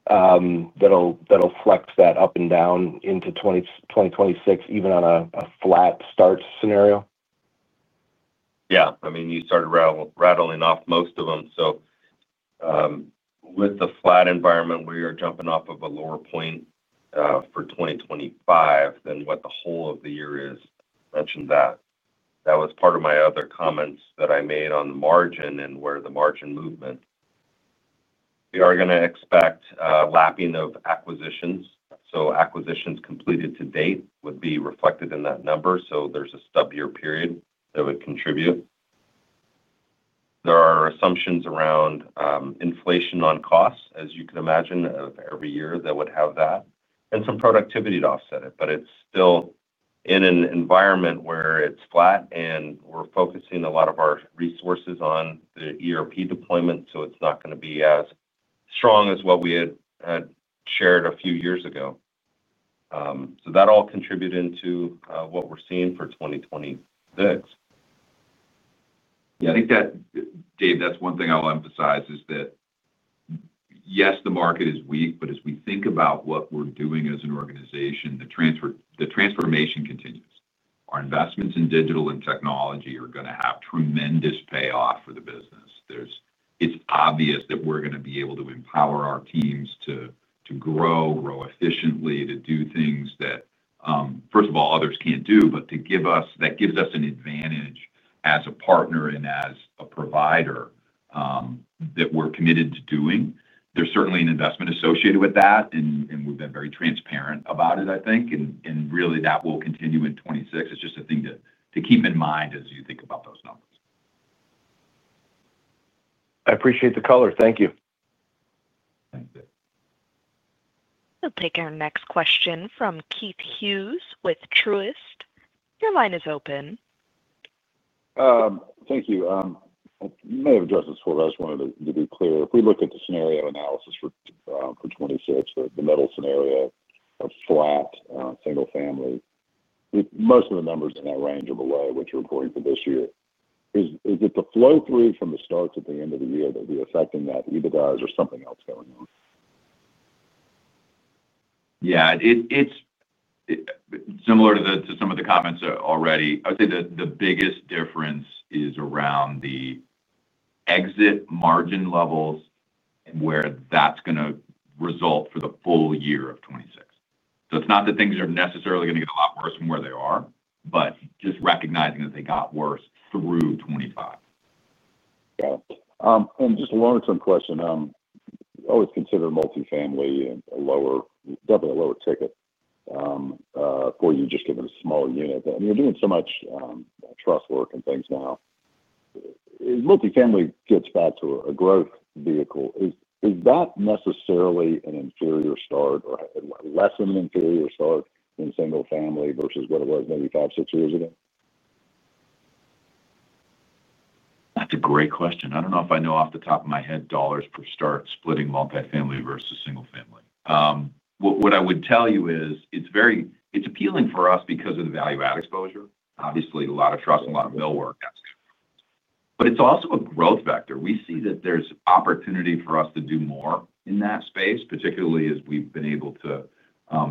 that'll flex that up and down into 2026 even on a flat start scenario? Yeah, I mean you started rattling off most of them. With the flat environment, we are jumping off of a lower point for 2025 than what the whole of the year is mentioned. That was part of my other comments that I made on the margin and where the margin movement we are going to expect lapping of acquisitions. Acquisitions completed to date would be reflected in that number. There is a stub year period that would contribute. There are assumptions around inflation on costs, as you can imagine, of every year that would have that and some productivity to offset it. It's still in an environment where it's flat and we're focusing a lot of our resources on the ERP deployment. It's not going to be as strong as what we had shared a few years ago. That all contributed to what we're seeing for 2026. Yeah, I think that, Dave, that's one thing I'll emphasize is that yes, the market is weak, but as we think about what we're doing as an organization, the transformation continues. Our investments in digital and technology are going to have tremendous payoff for the business. It's obvious that we're going to be able to empower our teams to grow, grow efficiently to do things that first of all others can't do, but to give us, that gives us an advantage as a partner and as a provider that we're committed to doing. There's certainly an investment associated with that, and we've been very transparent about it, I think. Really, that will continue in 2026. It's just a thing to keep in mind as you think about those numbers. I appreciate the color. Thank you. We'll take our next question from Keith Hughes with Truist. Your line is open. Thank you. May have addressed this before, but I just wanted to be clear. If we look at the scenario analysis for 2026, the middle scenario of flat single family, most of the numbers in that range are below what you're reporting for this year. Is it the flow through from the starts at the end of the year that would be affecting that EBITDA? Is there something else going on? Yeah, it's similar to some of the comments already. I would say that the biggest difference is around the exit margin levels where that's going to result for the full year of 2026. It is not that things are necessarily going to get a lot worse from where they are, but just recognizing that they got worse through 2025. And just a long-term question, always consider multifamily lower, definitely a lower ticket for you just given a smaller unit. You're doing so much truss work and things. Now multifamily gets back to a growth vehicle. Is that necessarily an inferior start or less of an inferior start in single family versus what it was maybe five, six years ago? That's a great question. I don't know if I know off the top of my head, dollars per start splitting multifamily versus single family. What I would tell you is it's very, it's appealing for us because of the value add exposure, obviously a lot of truss, a lot of millwork, but it's also a growth vector. We see that there's opportunity for us to do more in that space, particularly as we've been able to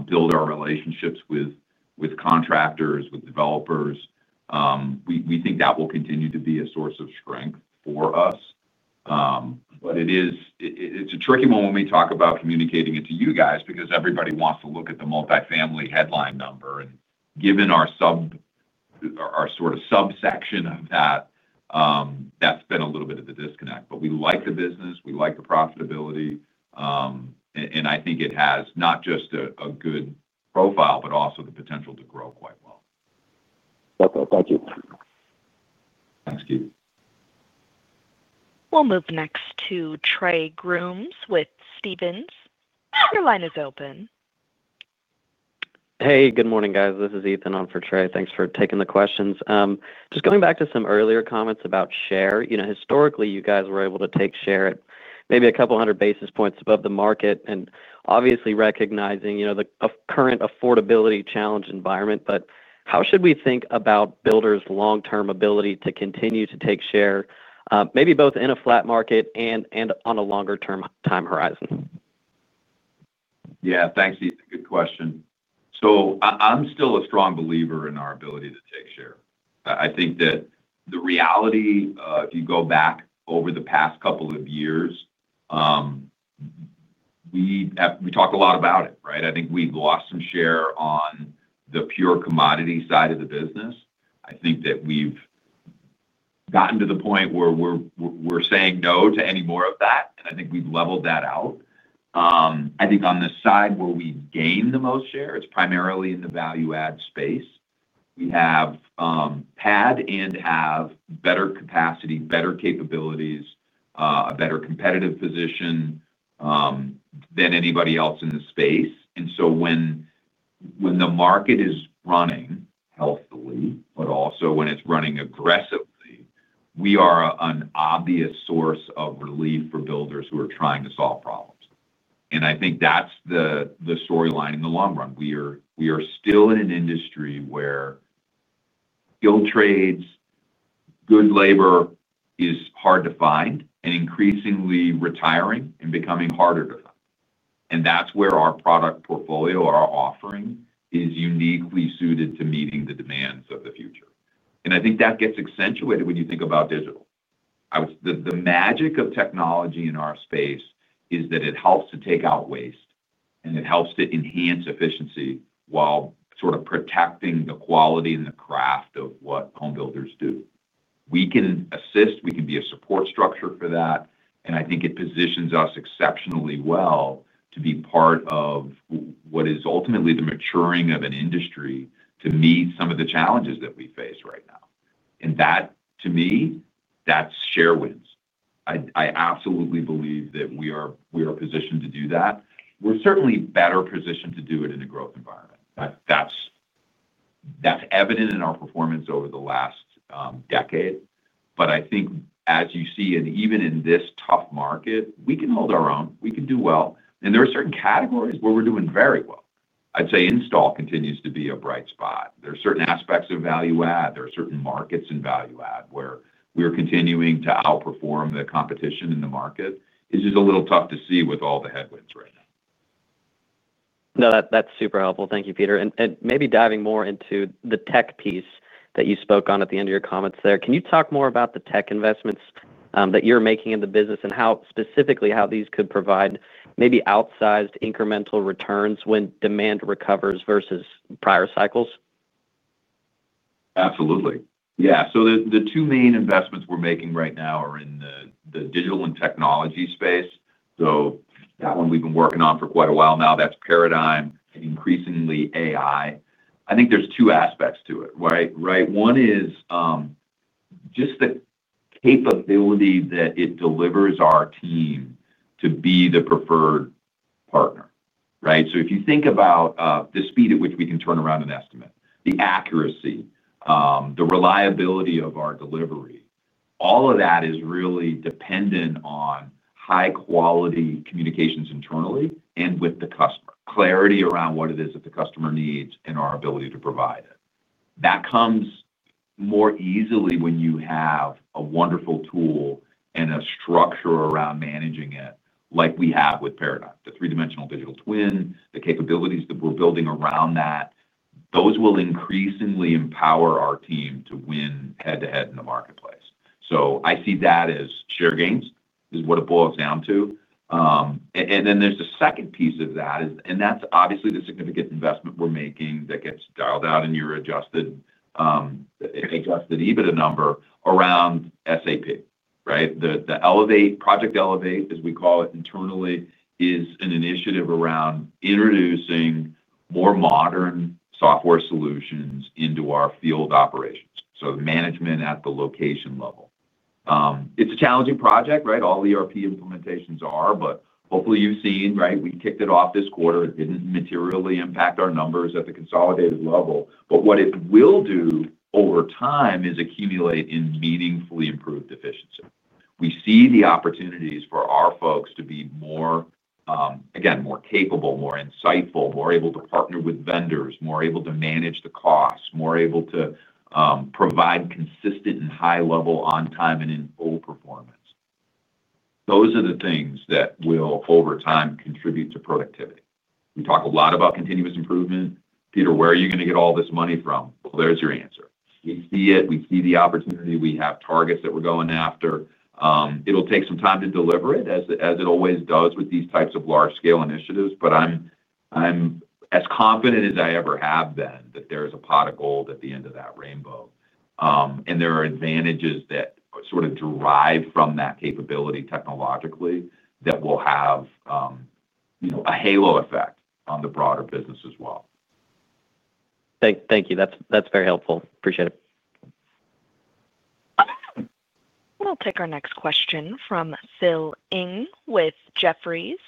build our relationships with contractors, with developers. We think that will continue to be a source of strength for us. It is a tricky one when we talk about communicating it to you guys because everybody wants to look at the multifamily headline number and given our sort of subsection of that, that's been a little bit of a disconnect. We like the business, we like the profitability. I think it has not just a good profile, but also the potential to grow quite well. Okay, thank you. Thanks, Keith. We'll move next to Trey Grooms with Stephens. Your line is open. Hey, good morning guys. This is Ethan on for Trey. Thanks for taking the questions. Just going back to some earlier comments about share. You know, historically you guys were able to take share at maybe a couple hundred basis points above the market and obviously recognizing the current affordability challenge environment. How should we think about Builders' long-term ability to continue to take share maybe both in a flat market and on a longer-term time horizon? Yeah, thanks, Ethan. Good question. I'm still a strong believer in our ability to take share. I think that the reality, if you go back over the past couple of years. We talk a lot about it, right. I think we've lost some share on the pure commodity side of the business. I think that we've gotten to the point where we're saying no to any more of that, and I think we've leveled that out. I think on the side where we gain the most share, it's primarily in the value add space. We have had and have better capacity, better capabilities, a better competitive position than anybody else in the space. When the market is running healthily, but also when it's running aggressively, we are an obvious source of relief for builders who are trying to solve problems. I think that's the storyline in the long run. We are still in an industry where guild trades, good labor is hard to find and increasingly retiring and becoming harder to find. That's where our product portfolio, our offering, is uniquely suited to meeting the demands of the future. I think that gets accentuated when you think about digital. The magic of technology in our space is that it helps to take out waste and it helps to enhance efficiency. While sort of protecting the quality and the craft of what homebuilders do, we can assist, we can be a support structure for that. I think it positions us exceptionally well to be part of what is ultimately the maturing of an industry to meet some of the challenges that we face right now. That to me, that's share wins. I absolutely believe that we are positioned to do that. We're certainly better positioned to do it in a growth environment. That's evident in our performance over the last decade. I think, as you see, and even in this tough market, we can hold our own, we can do well. There are certain categories where we're doing very well. I'd say install continues to be a bright spot. There are certain aspects of value add. There are certain markets in value add where we're continuing to outperform the competition in the market is just a little tough to see with all the headwinds right now. That's super helpful, thank you, Peter. Maybe diving more into the tech piece that you spoke on at the end of your comments there, can you talk more about the tech investments that you're making in the business and how specifically how these could provide maybe outsized incremental returns when demand recovers versus prior cycles? Absolutely, yeah. The two main investments we're making right now are in the digital and technology space. That one we've been working on for quite a while now, that's Paradigm, increasingly AI. I think there's two aspects to it. Right. One is just the capability that it delivers our team to be the preferred partner, right. If you think about the speed at which we can turn around an estimate, the accuracy, the reliability of our delivery, all of that is really dependent on high quality communications internally and with the customer, clarity around what it is that the customer needs in our ability to provide it. That comes more easily when you have a wonderful tool and a structure around managing it like we have with Paradigm, the three dimensional digital twin. The capabilities that we're building around that, those will increasingly empower our team to win head to head in the marketplace. I see that as share gains is what it boils down to. There's the second piece of that, and that's obviously the significant investment we're making that gets dialed out in your adjusted EBITDA number around SAP, right. The project, Elevate, as we call it internally, is an initiative around introducing more modern software solutions into our field operations. Management at the location level. It's a challenging project, all ERP implementations are but hopefully you've seen, we kicked it off this quarter. It didn't materially impact our numbers at the consolidated level. What it will do over time is accumulate in meaningfully improved efficiency. We see the opportunities for our folks to be more, again, more capable, more insightful, more able to partner with vendors, more able to manage the costs, more able to provide consistent and high level on time and in full performance. Those are the things that will over time contribute to productivity. We talk a lot about continuous improvement. Peter, where are you going to get all this money from? There's your answer. We see it, we see the opportunity. We have targets that we're going after. It'll take some time to deliver it as it always does with these types of large scale initiatives. I'm as confident as I ever have been that there is a pot of gold at the end of that rainbow and there are advantages that sort of derive from that capability technologically that will have a halo effect on the broader business as well. Thank you, that's very helpful. Appreciate it. We'll take our next question from Phil Ng with Jefferies.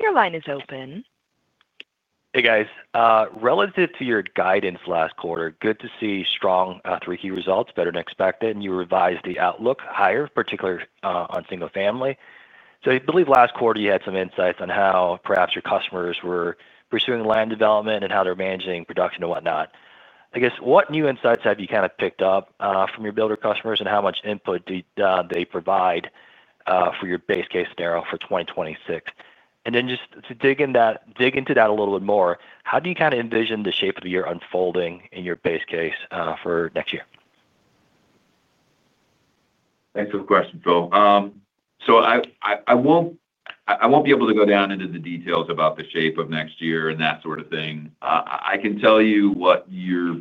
Your line is open. Hey guys, relative to your guidance last quarter, good to see strong Q3 results better than expected and you revised the outlook higher, particularly on single family. I believe last quarter you had some insights on how perhaps your customers were pursuing land development and how they're managing production and whatnot. I guess what new insights have you kind of picked up from your builder customers and how much input do they provide for your base case scenario for 2026, and then just to dig into that a little bit more, how do you kind of envision the shape of the year unfolding in your base case for next year? Thanks for the question, Phil. I won't be able to go down into the details about the shape of next year and that sort of thing. I can tell you what you're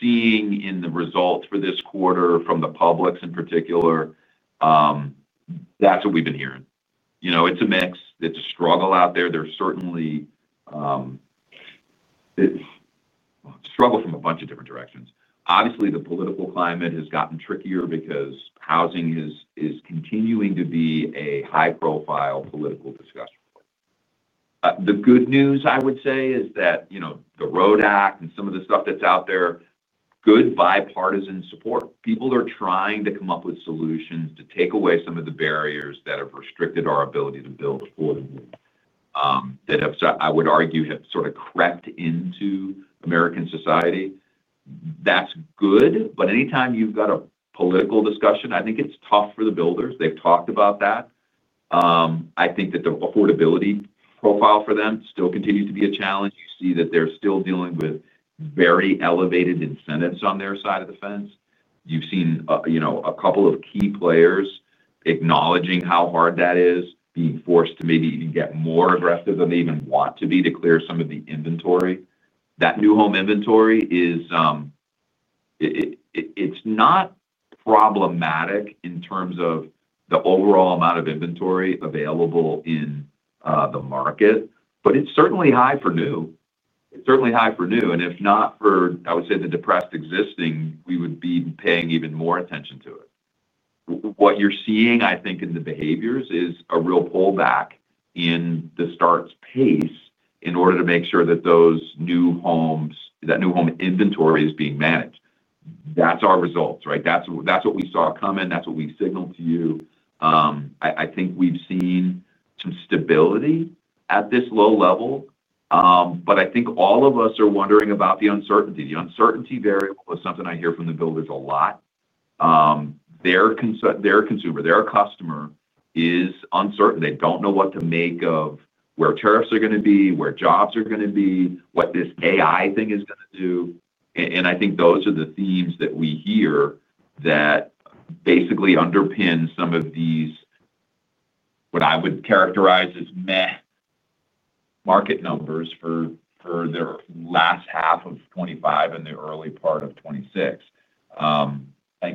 seeing in the results for this quarter from the publics in particular, that's what we've been hearing. You know, it's a mix, it's a struggle out there. There's certainly struggle from a bunch of different directions. Obviously, the political climate has gotten trickier because housing is continuing to be a high-profile political discussion. The good news, I would say, is that the Road Act and some of the stuff that's out there have good bipartisan support. People are trying to come up with solutions to take away some of the barriers that have restricted our ability to build affordably that have, I would argue, sort of crept into American society. That's good. Anytime you've got a political discussion, I think it's tough for the builders. They've talked about that. I think that the affordability profile for them still continues to be a challenge. You see that they're still dealing with very elevated incentives on their side of the fence. You've seen a couple of key players acknowledging how hard that is, being forced to maybe even get more aggressive than they even want to be to clear some of the inventory. That new home inventory it's not problematic in terms of the overall amount of inventory available in the market, but it's certainly high for new. It's certainly high for new, and if not for the depressed existing, we would be paying even more attention to it. What you're seeing, I think, in the behaviors is a real pullback in the start's pace in order to make sure that those new homes, that new home inventory is being managed. That's our results, right? That's what we saw coming. That's what we signaled to you. I think we've seen some stability at this low level, but I think all of us are wondering about the uncertainty. The uncertainty variable is something I hear from the builders a lot. Their concern, their consumer, their customer is uncertain. They don't know what to make of where tariffs are going to be, where jobs are going to be, what this AI thing is going to do. I think those are the themes that we hear that basically underpin some of these, what I would characterize as, meh, market numbers for the last half of 2025 and the early part of 2026.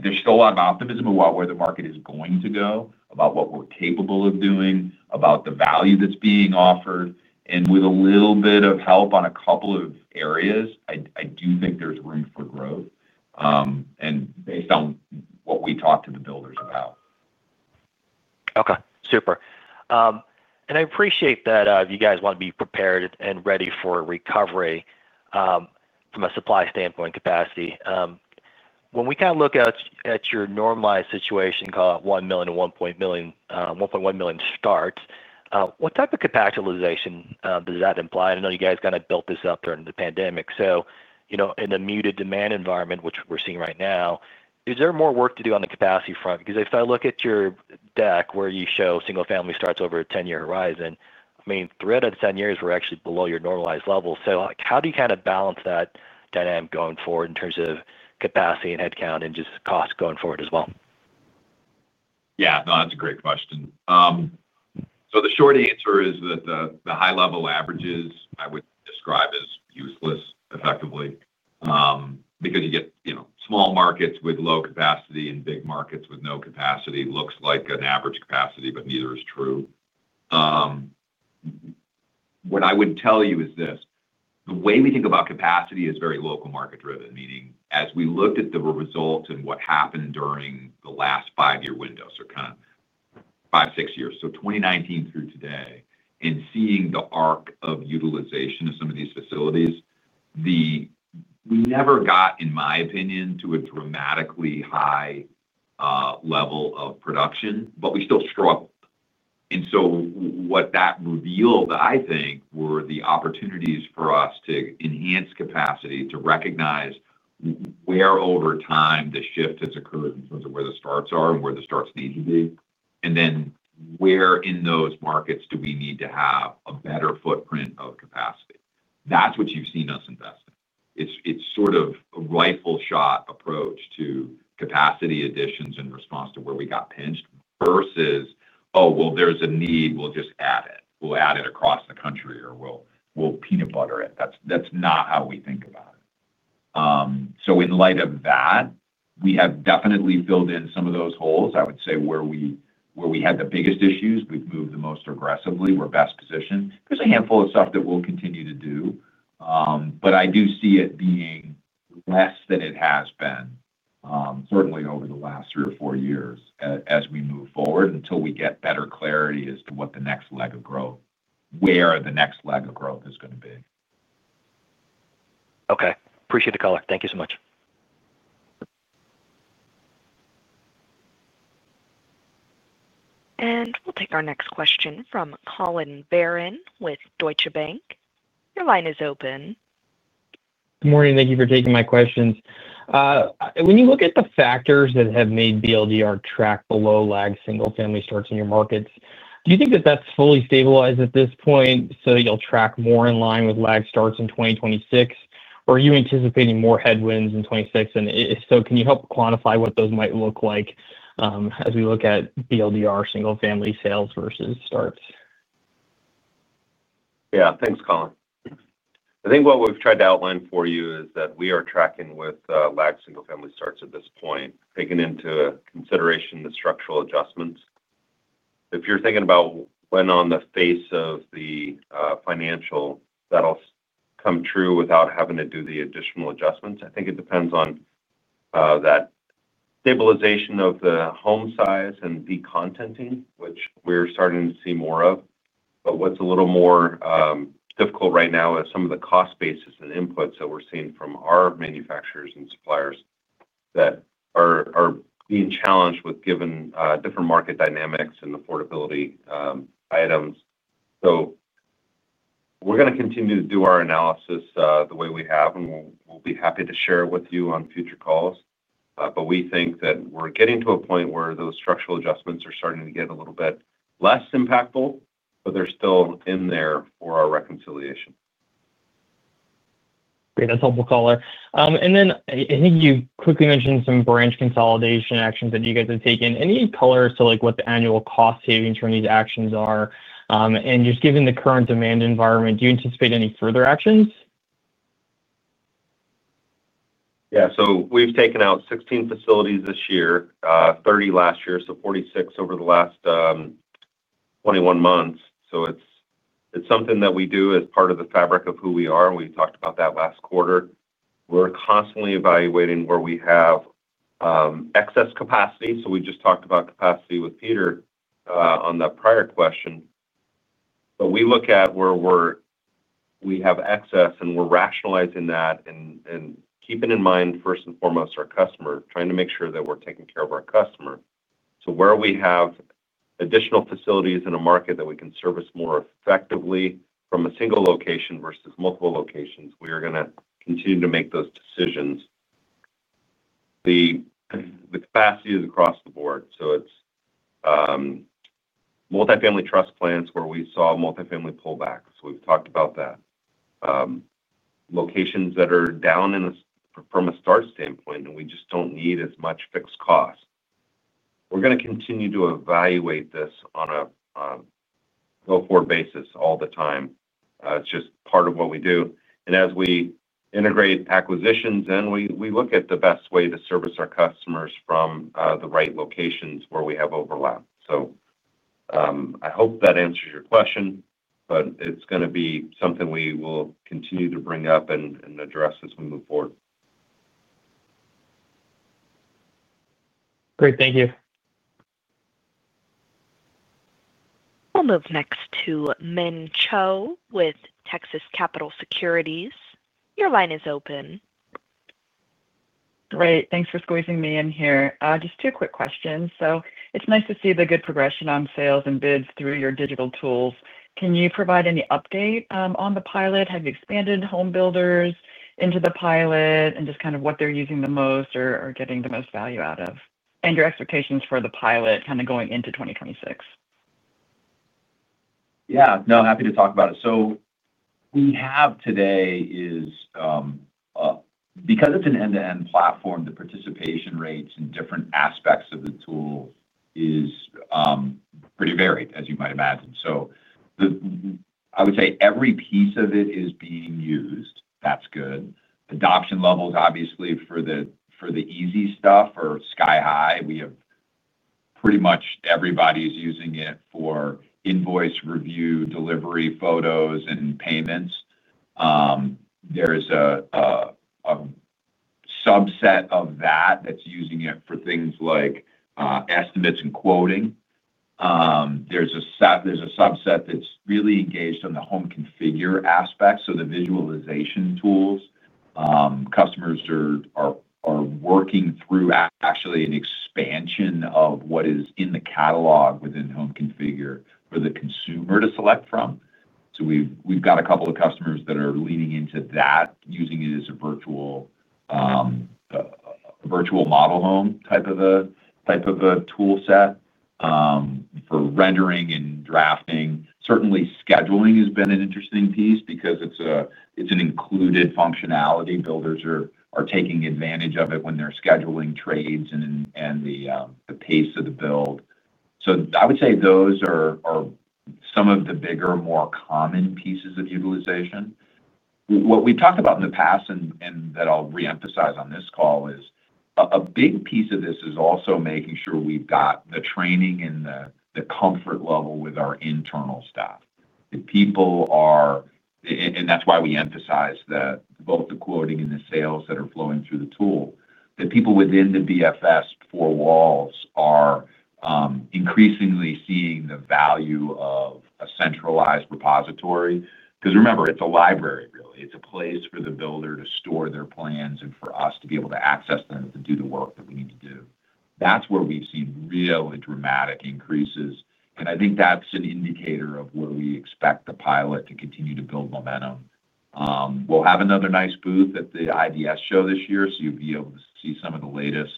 There's still a lot of optimism about where the market is going to go, about what we're capable of doing, about the value that's being offered. With a little bit of help on a couple of areas, I do think there's room for growth, based on what we talk to the builders about. Okay, super. I appreciate that if you guys want to be prepared and ready for recovery from a supply standpoint, capacity, when we kind of look at your normalized situation, call it 1 million, 1.1 million starts. What type of capacitualization does that imply? I know you guys kind of built this up during the pandemic. In the muted demand environment which we're seeing right now, is there more work to do on the capacity front? If I look at your deck where you show single family starts over a 10-year horizon, three out of 10 years, we're actually below your normalized levels. How do you kind of balance that dynamic going forward in terms of capacity and headcount and just cost going forward as well? Yeah, that's a great question. The short answer is that the high level averages I would describe as useless, effectively, because you get small markets with low capacity and big markets with no capacity, looks like an average capacity, but neither is true. What I would tell you is this: the way we think about capacity is very local, market driven. Meaning as we looked at the result and what happened during the last five year window, so kind of five, six years, so 2019 through today, and seeing the arc of utilization of some of these facilities, we never got, in my opinion, to a dramatically high level of production. We still struggle. What that revealed, I think, were the opportunities for us to enhance capacity, to recognize where over time the shift has occurred in terms of where the starts are and where the starts need to be. Then where in those markets do we need to have a better footprint of capacity? That's what you've seen us invest in. It's sort of a rifle shot approach to capacity additions in response to where we got pinched versus, oh well, there's a need, we'll just add it. We'll add it across the country or we'll peanut butter it. That's not how we think about it. In light of that, we have definitely filled in some of those holes. I would say where we had the biggest issues, we've moved the most aggressively, we're best positioned. There's a handful of stuff that we'll continue to do, but I do see it being less than it has been certainly over the last three or four years as we move forward until we get better clarity as to what the next leg of growth, where the next leg of growth is going to be. Okay, appreciate the call. Thank you so much. We will take our next question from Collin Verron with Deutsche Bank. Your line is open. Good morning. Thank you for taking my questions. When you look at the factors that have made Builders track below lag, single family starts in your markets, do you think that that's fully stabilized at this point so you'll track more in line with lag starts in 2026, or are you anticipating more headwinds in 2026? Can you help quickly quantify what those might look like as we look at Builders single family sales versus starts. Yeah, thanks Collin. I think what we've tried to outline for you is that we are tracking with lag single family starts at this point, taking into consideration the structural adjustments. If you're thinking about when on the face of the financial, that'll come true without having to do the additional adjustments. I think it depends on that stabilization of the home size and decontenting, which we're starting to see more of. What's a little more difficult right now is some of the cost basis and inputs that we're seeing from our manufacturers and suppliers that are being challenged with given different market dynamics and affordability items. We are going to continue to do our analysis the way we have. We'll be happy to share with you on future calls. We think that we're getting to a point where those structural adjustments are starting to get a little bit less impactful, but they're still in there for our reconciliation. Great. That's helpful, color. I think you quickly mentioned some branch consolidation actions that you guys have taken. Any color on what the annual cost savings from these actions are, and just given the current demand environment, do you anticipate any further actions? Yeah. We've taken out 16 facilities this year, 30 last year, so 46 over the last 21 months. It's something that we do as part of the fabric of who we are. We talked about that last quarter. We're constantly evaluating where we have excess capacity. We just talked about capacity with Peter on the prior question. We look at where we have excess and we're rationalizing that and keeping in mind first and foremost our customer, trying to make sure that we're taking care of our customer. Where we have additional facilities in a market that we can service more effectively from a single location versus multiple locations, we are going to continue to make those decisions. The capacity is across the board. It's multifamily truss plants where we saw multifamily pullbacks. We've talked about that. Locations that are down from a start standpoint and we just don't need as much fixed costs. We're going to continue to evaluate this on a go forward basis all the time. It's just part of what we do. As we integrate acquisitions and we look at the best way to service our customers from the right locations where we have overlap, I hope that answers your question, but it's going to be something we will continue to bring up and address as we move forward. Great, thank you. We'll move next to Min Cho with Texas Capital Securities. Your line is open. Great, thanks for squeezing me in here. Just two quick questions. It is nice to see the good progression on sales and bids through your digital tools. Can you provide any update on the pilot? Have you expanded home builders into the pilot and just kind of what they're using the most or getting the most value out of your expectations for the pilot kind of going into 2026? Yeah, no happy to talk about it. What we have today is because it's an end-to-end platform, the participation rates in different aspects of the tool are pretty varied as you might imagine. I would say every piece of it is being used. That's good. Adoption levels obviously for the easy stuff are sky high. We have pretty much everybody using it for invoice review, delivery photos, and payments. There is a subset of that that's using it for things like estimates and quoting. There's a subset that's really engaged on the Home Configure aspect. The visualization tools customers are working through actually include an expansion of what is in the catalog within Home Configure for the consumer to select from. We've got a couple of customers that are leaning into that, using it as a virtual model home type of a tool set for rendering and drafting. Certainly, scheduling has been an interesting piece because it's an included functionality. Builders are taking advantage of it when they're scheduling trades and the pace of the build. I would say those are some of the bigger, more common pieces of utilization. What we've talked about in the past and that I'll re-emphasize on this call is a big piece of this is also making sure we've got the training and the comfort level with our internal staff. People are, and that's why we emphasize that both the quoting and the sales that are flowing through the tool, that people within the BFS four walls are increasingly seeing the value of a centralized repository because remember, it's a library really. It's a place for the builder to store their plans and for us to be able to access them to do the work that we need to do. That's where we've seen really dramatic increases, and I think that's an indicator of where we expect the pilot to continue to build momentum. We'll have another nice booth at the IDS show this year, so you'll be able to see some of the latest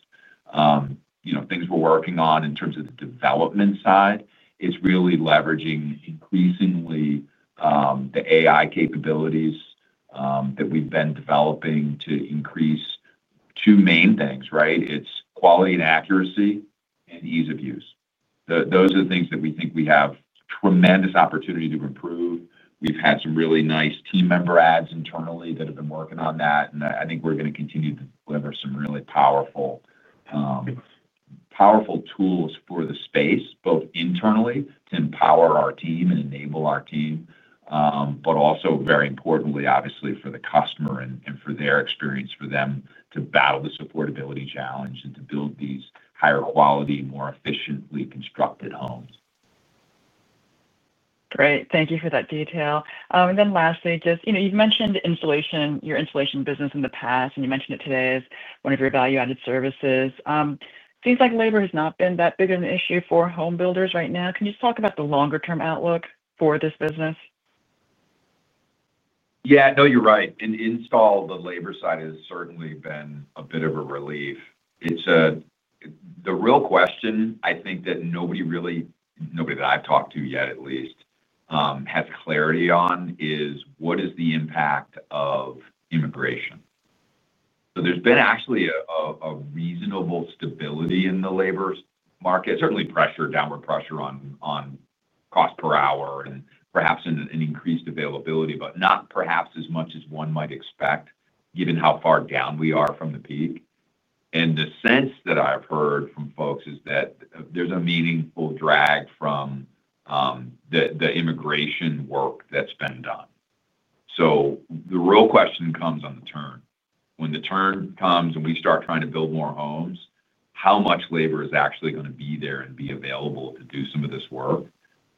things we're working on. In terms of the development side, it's really leveraging increasingly the AI capabilities that we've been developing to increase two main things, right? It's quality and accuracy and ease of use. Those are the things that we think we have tremendous opportunity to improve. We've had some really nice team member adds internally that have been working on that, and I think we're going to continue to deliver some really powerful, powerful tools for the space both internally to empower our team and enable our team, but also very importantly, obviously for the customer and for their experience, for them to battle the supportability challenge and to build these higher quality, more efficiently constructed homes. Great. Thank you for that detail. Lastly, you've mentioned insulation, your installation business in the past and you mentioned it today as one of your value-added solutions. Seems like labor has not been that big of an issue for home builders right now. Can you just talk about the longer-term outlook for this business? Yeah, you're right. Install the labor side has certainly been a bit of a relief. The real question I think that nobody, really nobody that I've talked to yet at least has clarity on is what is the impact of immigration? There's been actually a reasonable stability in the labor market, certainly downward pressure on cost per hour and perhaps an increased availability, but not perhaps as much as one might expect given how far down we are from the peak. The sense that I've heard from folks is that there's a meaningful drag from the immigration work that's been done. The real question comes on the turn. When the turn comes and we start trying to build more homes, how much labor is actually going to be there and be available to do some of this work?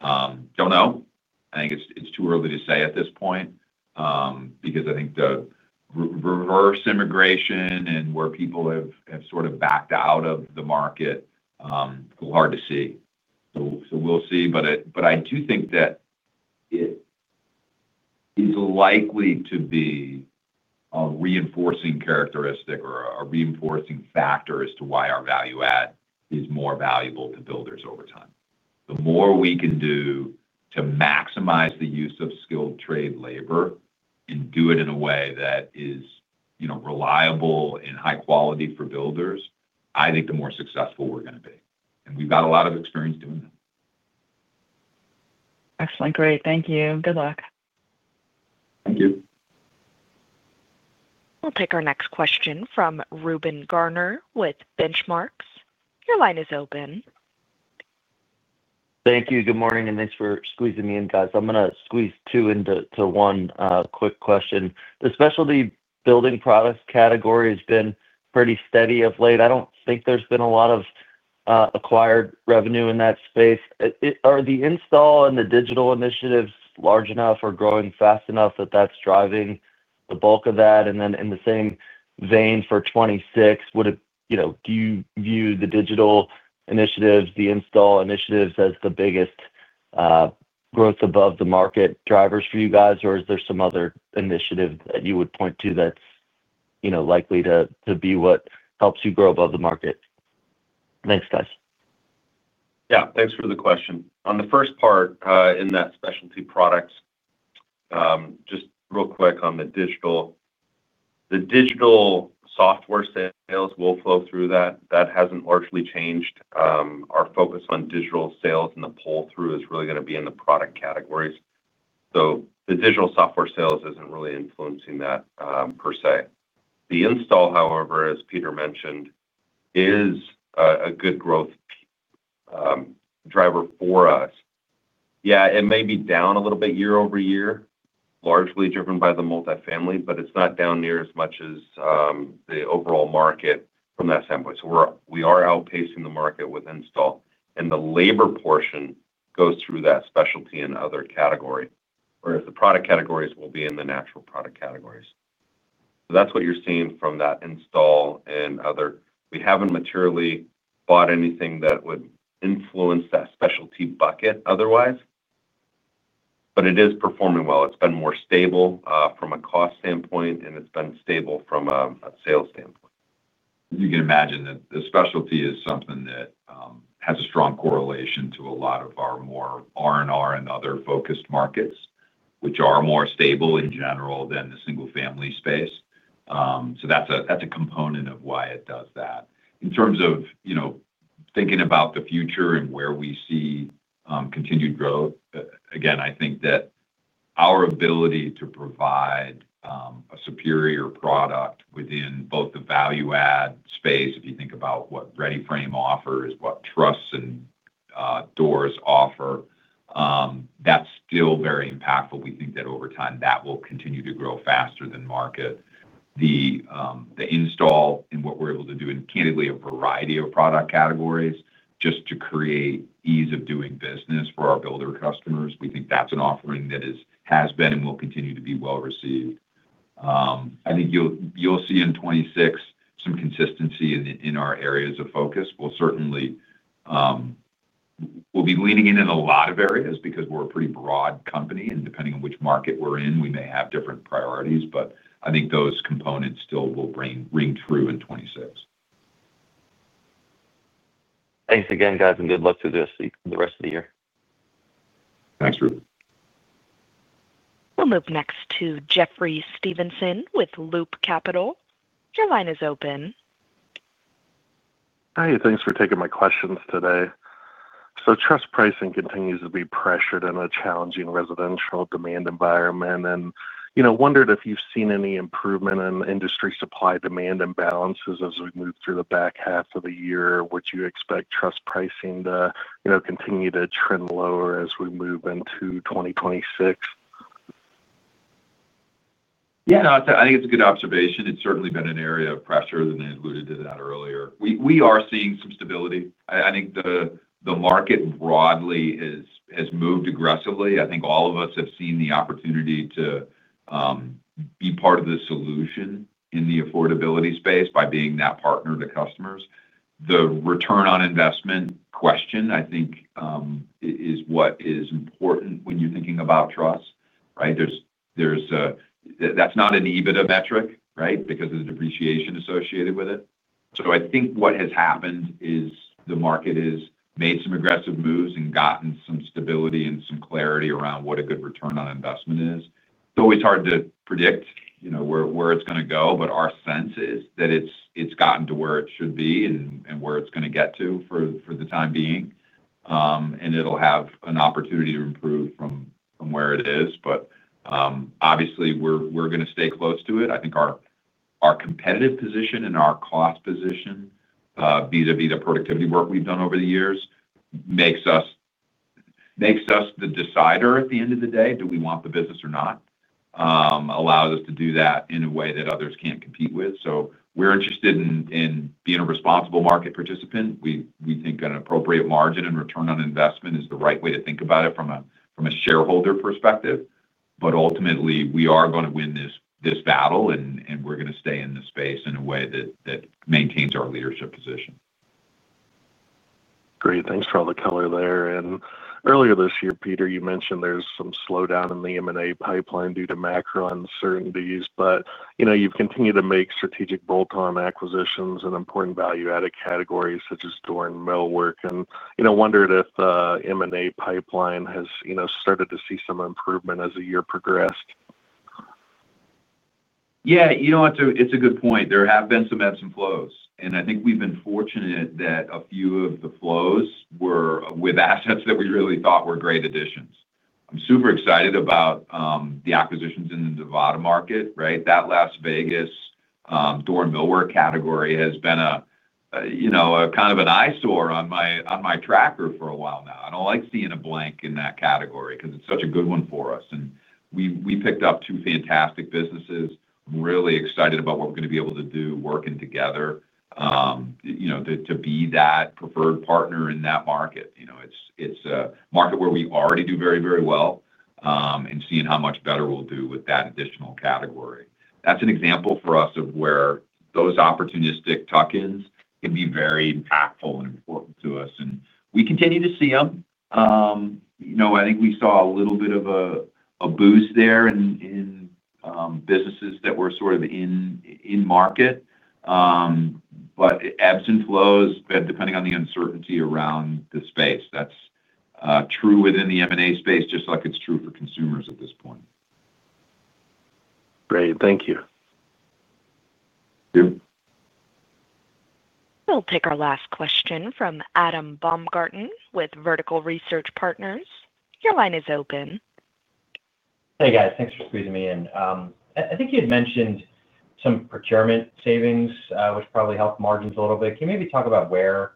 Don't know. I think it's too early to say at this point because I think the reverse immigration and where people have sort of backed out of the market, hard to see. We'll see. I do think that it is likely to be a reinforcing characteristic or a reinforcing factor as to why our value add is more valuable to builders over time. The more we can do to maximize the use of skilled trade labor and do it in a way that is, you know, reliable and high quality for builders, I think the more successful we're going to be and we've got a lot of experience doing that. Excellent. Great, thank you. Good luck. Thank you. We'll take our next question from Ruben Garner with Benchmark. Your line is open. Thank you. Good morning and thanks for squeezing me in, guys. I'm going to squeeze two into one quick question. The specialty building products category has been pretty steady of late. I don't think there's been a lot of acquired revenue in that space. Are the install and the digital initiatives large enough or growing fast enough that that's driving the bulk of that? In the same vein for 2026, do you view the digital initiatives, the install initiatives as the biggest growth above the market drivers for you guys, or is there some other initiative that you would point to that's likely to be what helps you grow above the market? Thanks, guys. Yeah, thanks for the question on the first part in that specialty products. Just real quick on the digital, the digital software sales will flow through that. That hasn't largely changed our focus on digital sales, and the pull through is really going to be in the product categories. The digital software sales isn't really influencing that per se. The install, however, as Peter mentioned, is a good growth driver for us. Yeah, it may be down a little bit year-over-year, largely driven by the multifamily, but it's not down near as much as the overall market from that standpoint. We are outpacing the market with install and the labor portion goes through that specialty and other category, whereas the product categories will be in the natural product category. That's what you're seeing from that install and other. We haven't materially bought anything that would influence that specialty bucket otherwise, but it is performing well. It's been more stable from a cost standpoint, and it's been stable from a sales standpoint. You can imagine that the specialty is something that has a strong correlation to a lot of our more R&R and other focused markets, which are more stable in general than the single family space. That's a component of why it does that. In terms of thinking about the future and where we see continued growth, again, I think that our ability to provide a superior product within both the value add space, if you think about what ready frame offers, what trusses and doors offer, that's still very impactful. We think that over time that will continue to grow faster than market. The install and what we're able to do in, candidly, a variety of product categories just to create ease of doing business for our builder customers, we think that's an offering that has been and will continue to be well received. I think you'll see in 2026 some consistency in our areas of focus. We certainly will be leaning in in a lot of areas because we're a pretty broad company, and depending on which market we're in, we may have different priorities. I think those components still will ring true in 2026. Thanks again, guys, and good luck through the rest of the year. Thanks, Ruby. We'll move next to Jeffrey Stevenson with Loop Capital. Your line is open. Hi. Thanks for taking my questions today. Trust pricing continues to be pressured in a challenging residential demand environment, have you seen any improvement in industry supply demand imbalances? As we move through the back half of the year would you expect truss pricing to, you know, continue to trend lower as we move into 2026? Yeah, I think it's a good observation. It's certainly been an area of pressure, and I alluded to that earlier. We are seeing some stability. I think the market broadly has moved aggressively. I think all of us have seen the opportunity to be part of the solution in the affordability space by being that partner to customers. The return on investment question, I think, is what is important when you're thinking about trust, right. That's not an EBITDA metric, right, because of the depreciation associated with it. I think what has happened is the market has made some aggressive moves and gotten some stability and some clarity around what a good return on investment is. It's always hard to predict, you know, where it's going to go. Our sense is that it's gotten to where it should be and where it's going to get to for the time being. It'll have an opportunity to improve from where it is. Obviously, we're going to stay close to it. I think our competitive position and our cost position vis a vis the productivity work we've done over the years makes us the decider at the end of the day. Do we want the business or not allows us to do that in a way that others can't compete with. We're interested in being a responsible market participant. We think an appropriate margin and return on investment is the right way to think about it from a shareholder perspective. Ultimately, we are going to win this battle, and we're going to stay in the space in a way that maintains our leadership position. Great. Thanks for all the color there. Earlier this year, Peter, you mentioned there's some slowdown in the M&A pipeline due to macro uncertainties. You know, you've continued to make strategic bolt-on acquisitions in important value-added categories such as doors, millwork, and you know, wondered if M&A pipeline has, you know, started to see some improvement as the year progressed. Yeah, you know, it's a good point. There have been some ebbs and flows, and I think we've been fortunate that a few of the flows were with assets that we really thought were great additions. I'm super excited about the acquisitions in the Nevada market, right. That Las Vegas door millwork category has been a, you know, a kind of an eyesore on my, on my tracker for a while now. I don't like seeing a blank in that category because it's such a good one for us. We picked up two fantastic businesses. I'm really excited about what we're going to be able to do working together, you know, to be that preferred partner in that market. It's a market where we already do very, very well and seeing how much better we'll do with that additional category. That's an example for us of where those opportunistic tuck-ins can be very impactful and important to us. We continue to see them, I think we saw a little bit of a boost there in businesses that were sort of in market, but ebbs and flows depending on the uncertainty around the space. That's true within the M&A space, just like it's true for consumers at this point. Great, thank you. We'll take our last question from Adam Baumgarten with Vertical Research Partners. Your line is open. Hey guys, thanks for squeezing me in. I think you had mentioned some procurement savings, which probably helped margins a little bit. Can you maybe talk about where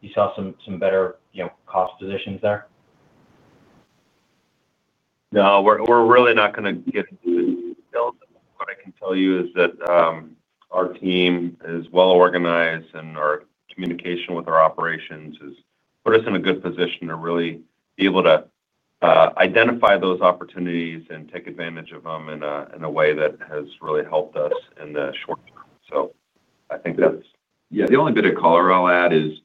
you saw some better cost positions there? No, we're really not going to get into details. What I can tell you is that our team is well organized, and our communication with our operations has put us in a good position to really be able to identify those opportunities and take advantage of them in a way that has really helped us in the short-term. I think that's. Yeah, the only bit of color I'll add is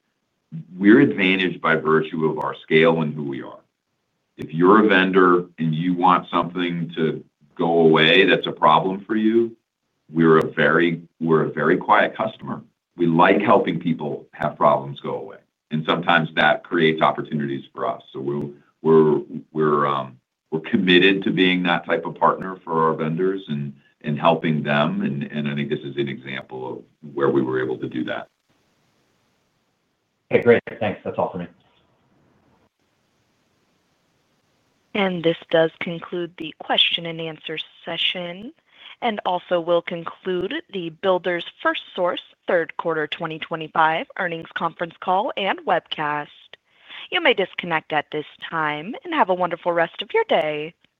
we're advantaged by virtue of our scale and who we are. If you're a vendor and you want something to go away, that's a problem for you. We're a very quiet customer. We like helping people have problems go away, and sometimes that creates opportunities for us. We're committed to being that type of partner for our vendors and helping them. I think this is an example of where we were able to do that. Okay, great. Thanks. That's all for me. This does conclude the question-and-answer session and also will conclude the Builders FirstSource third quarter 2025 earnings conference call and webcast. You may disconnect at this time and have a wonderful rest of your day.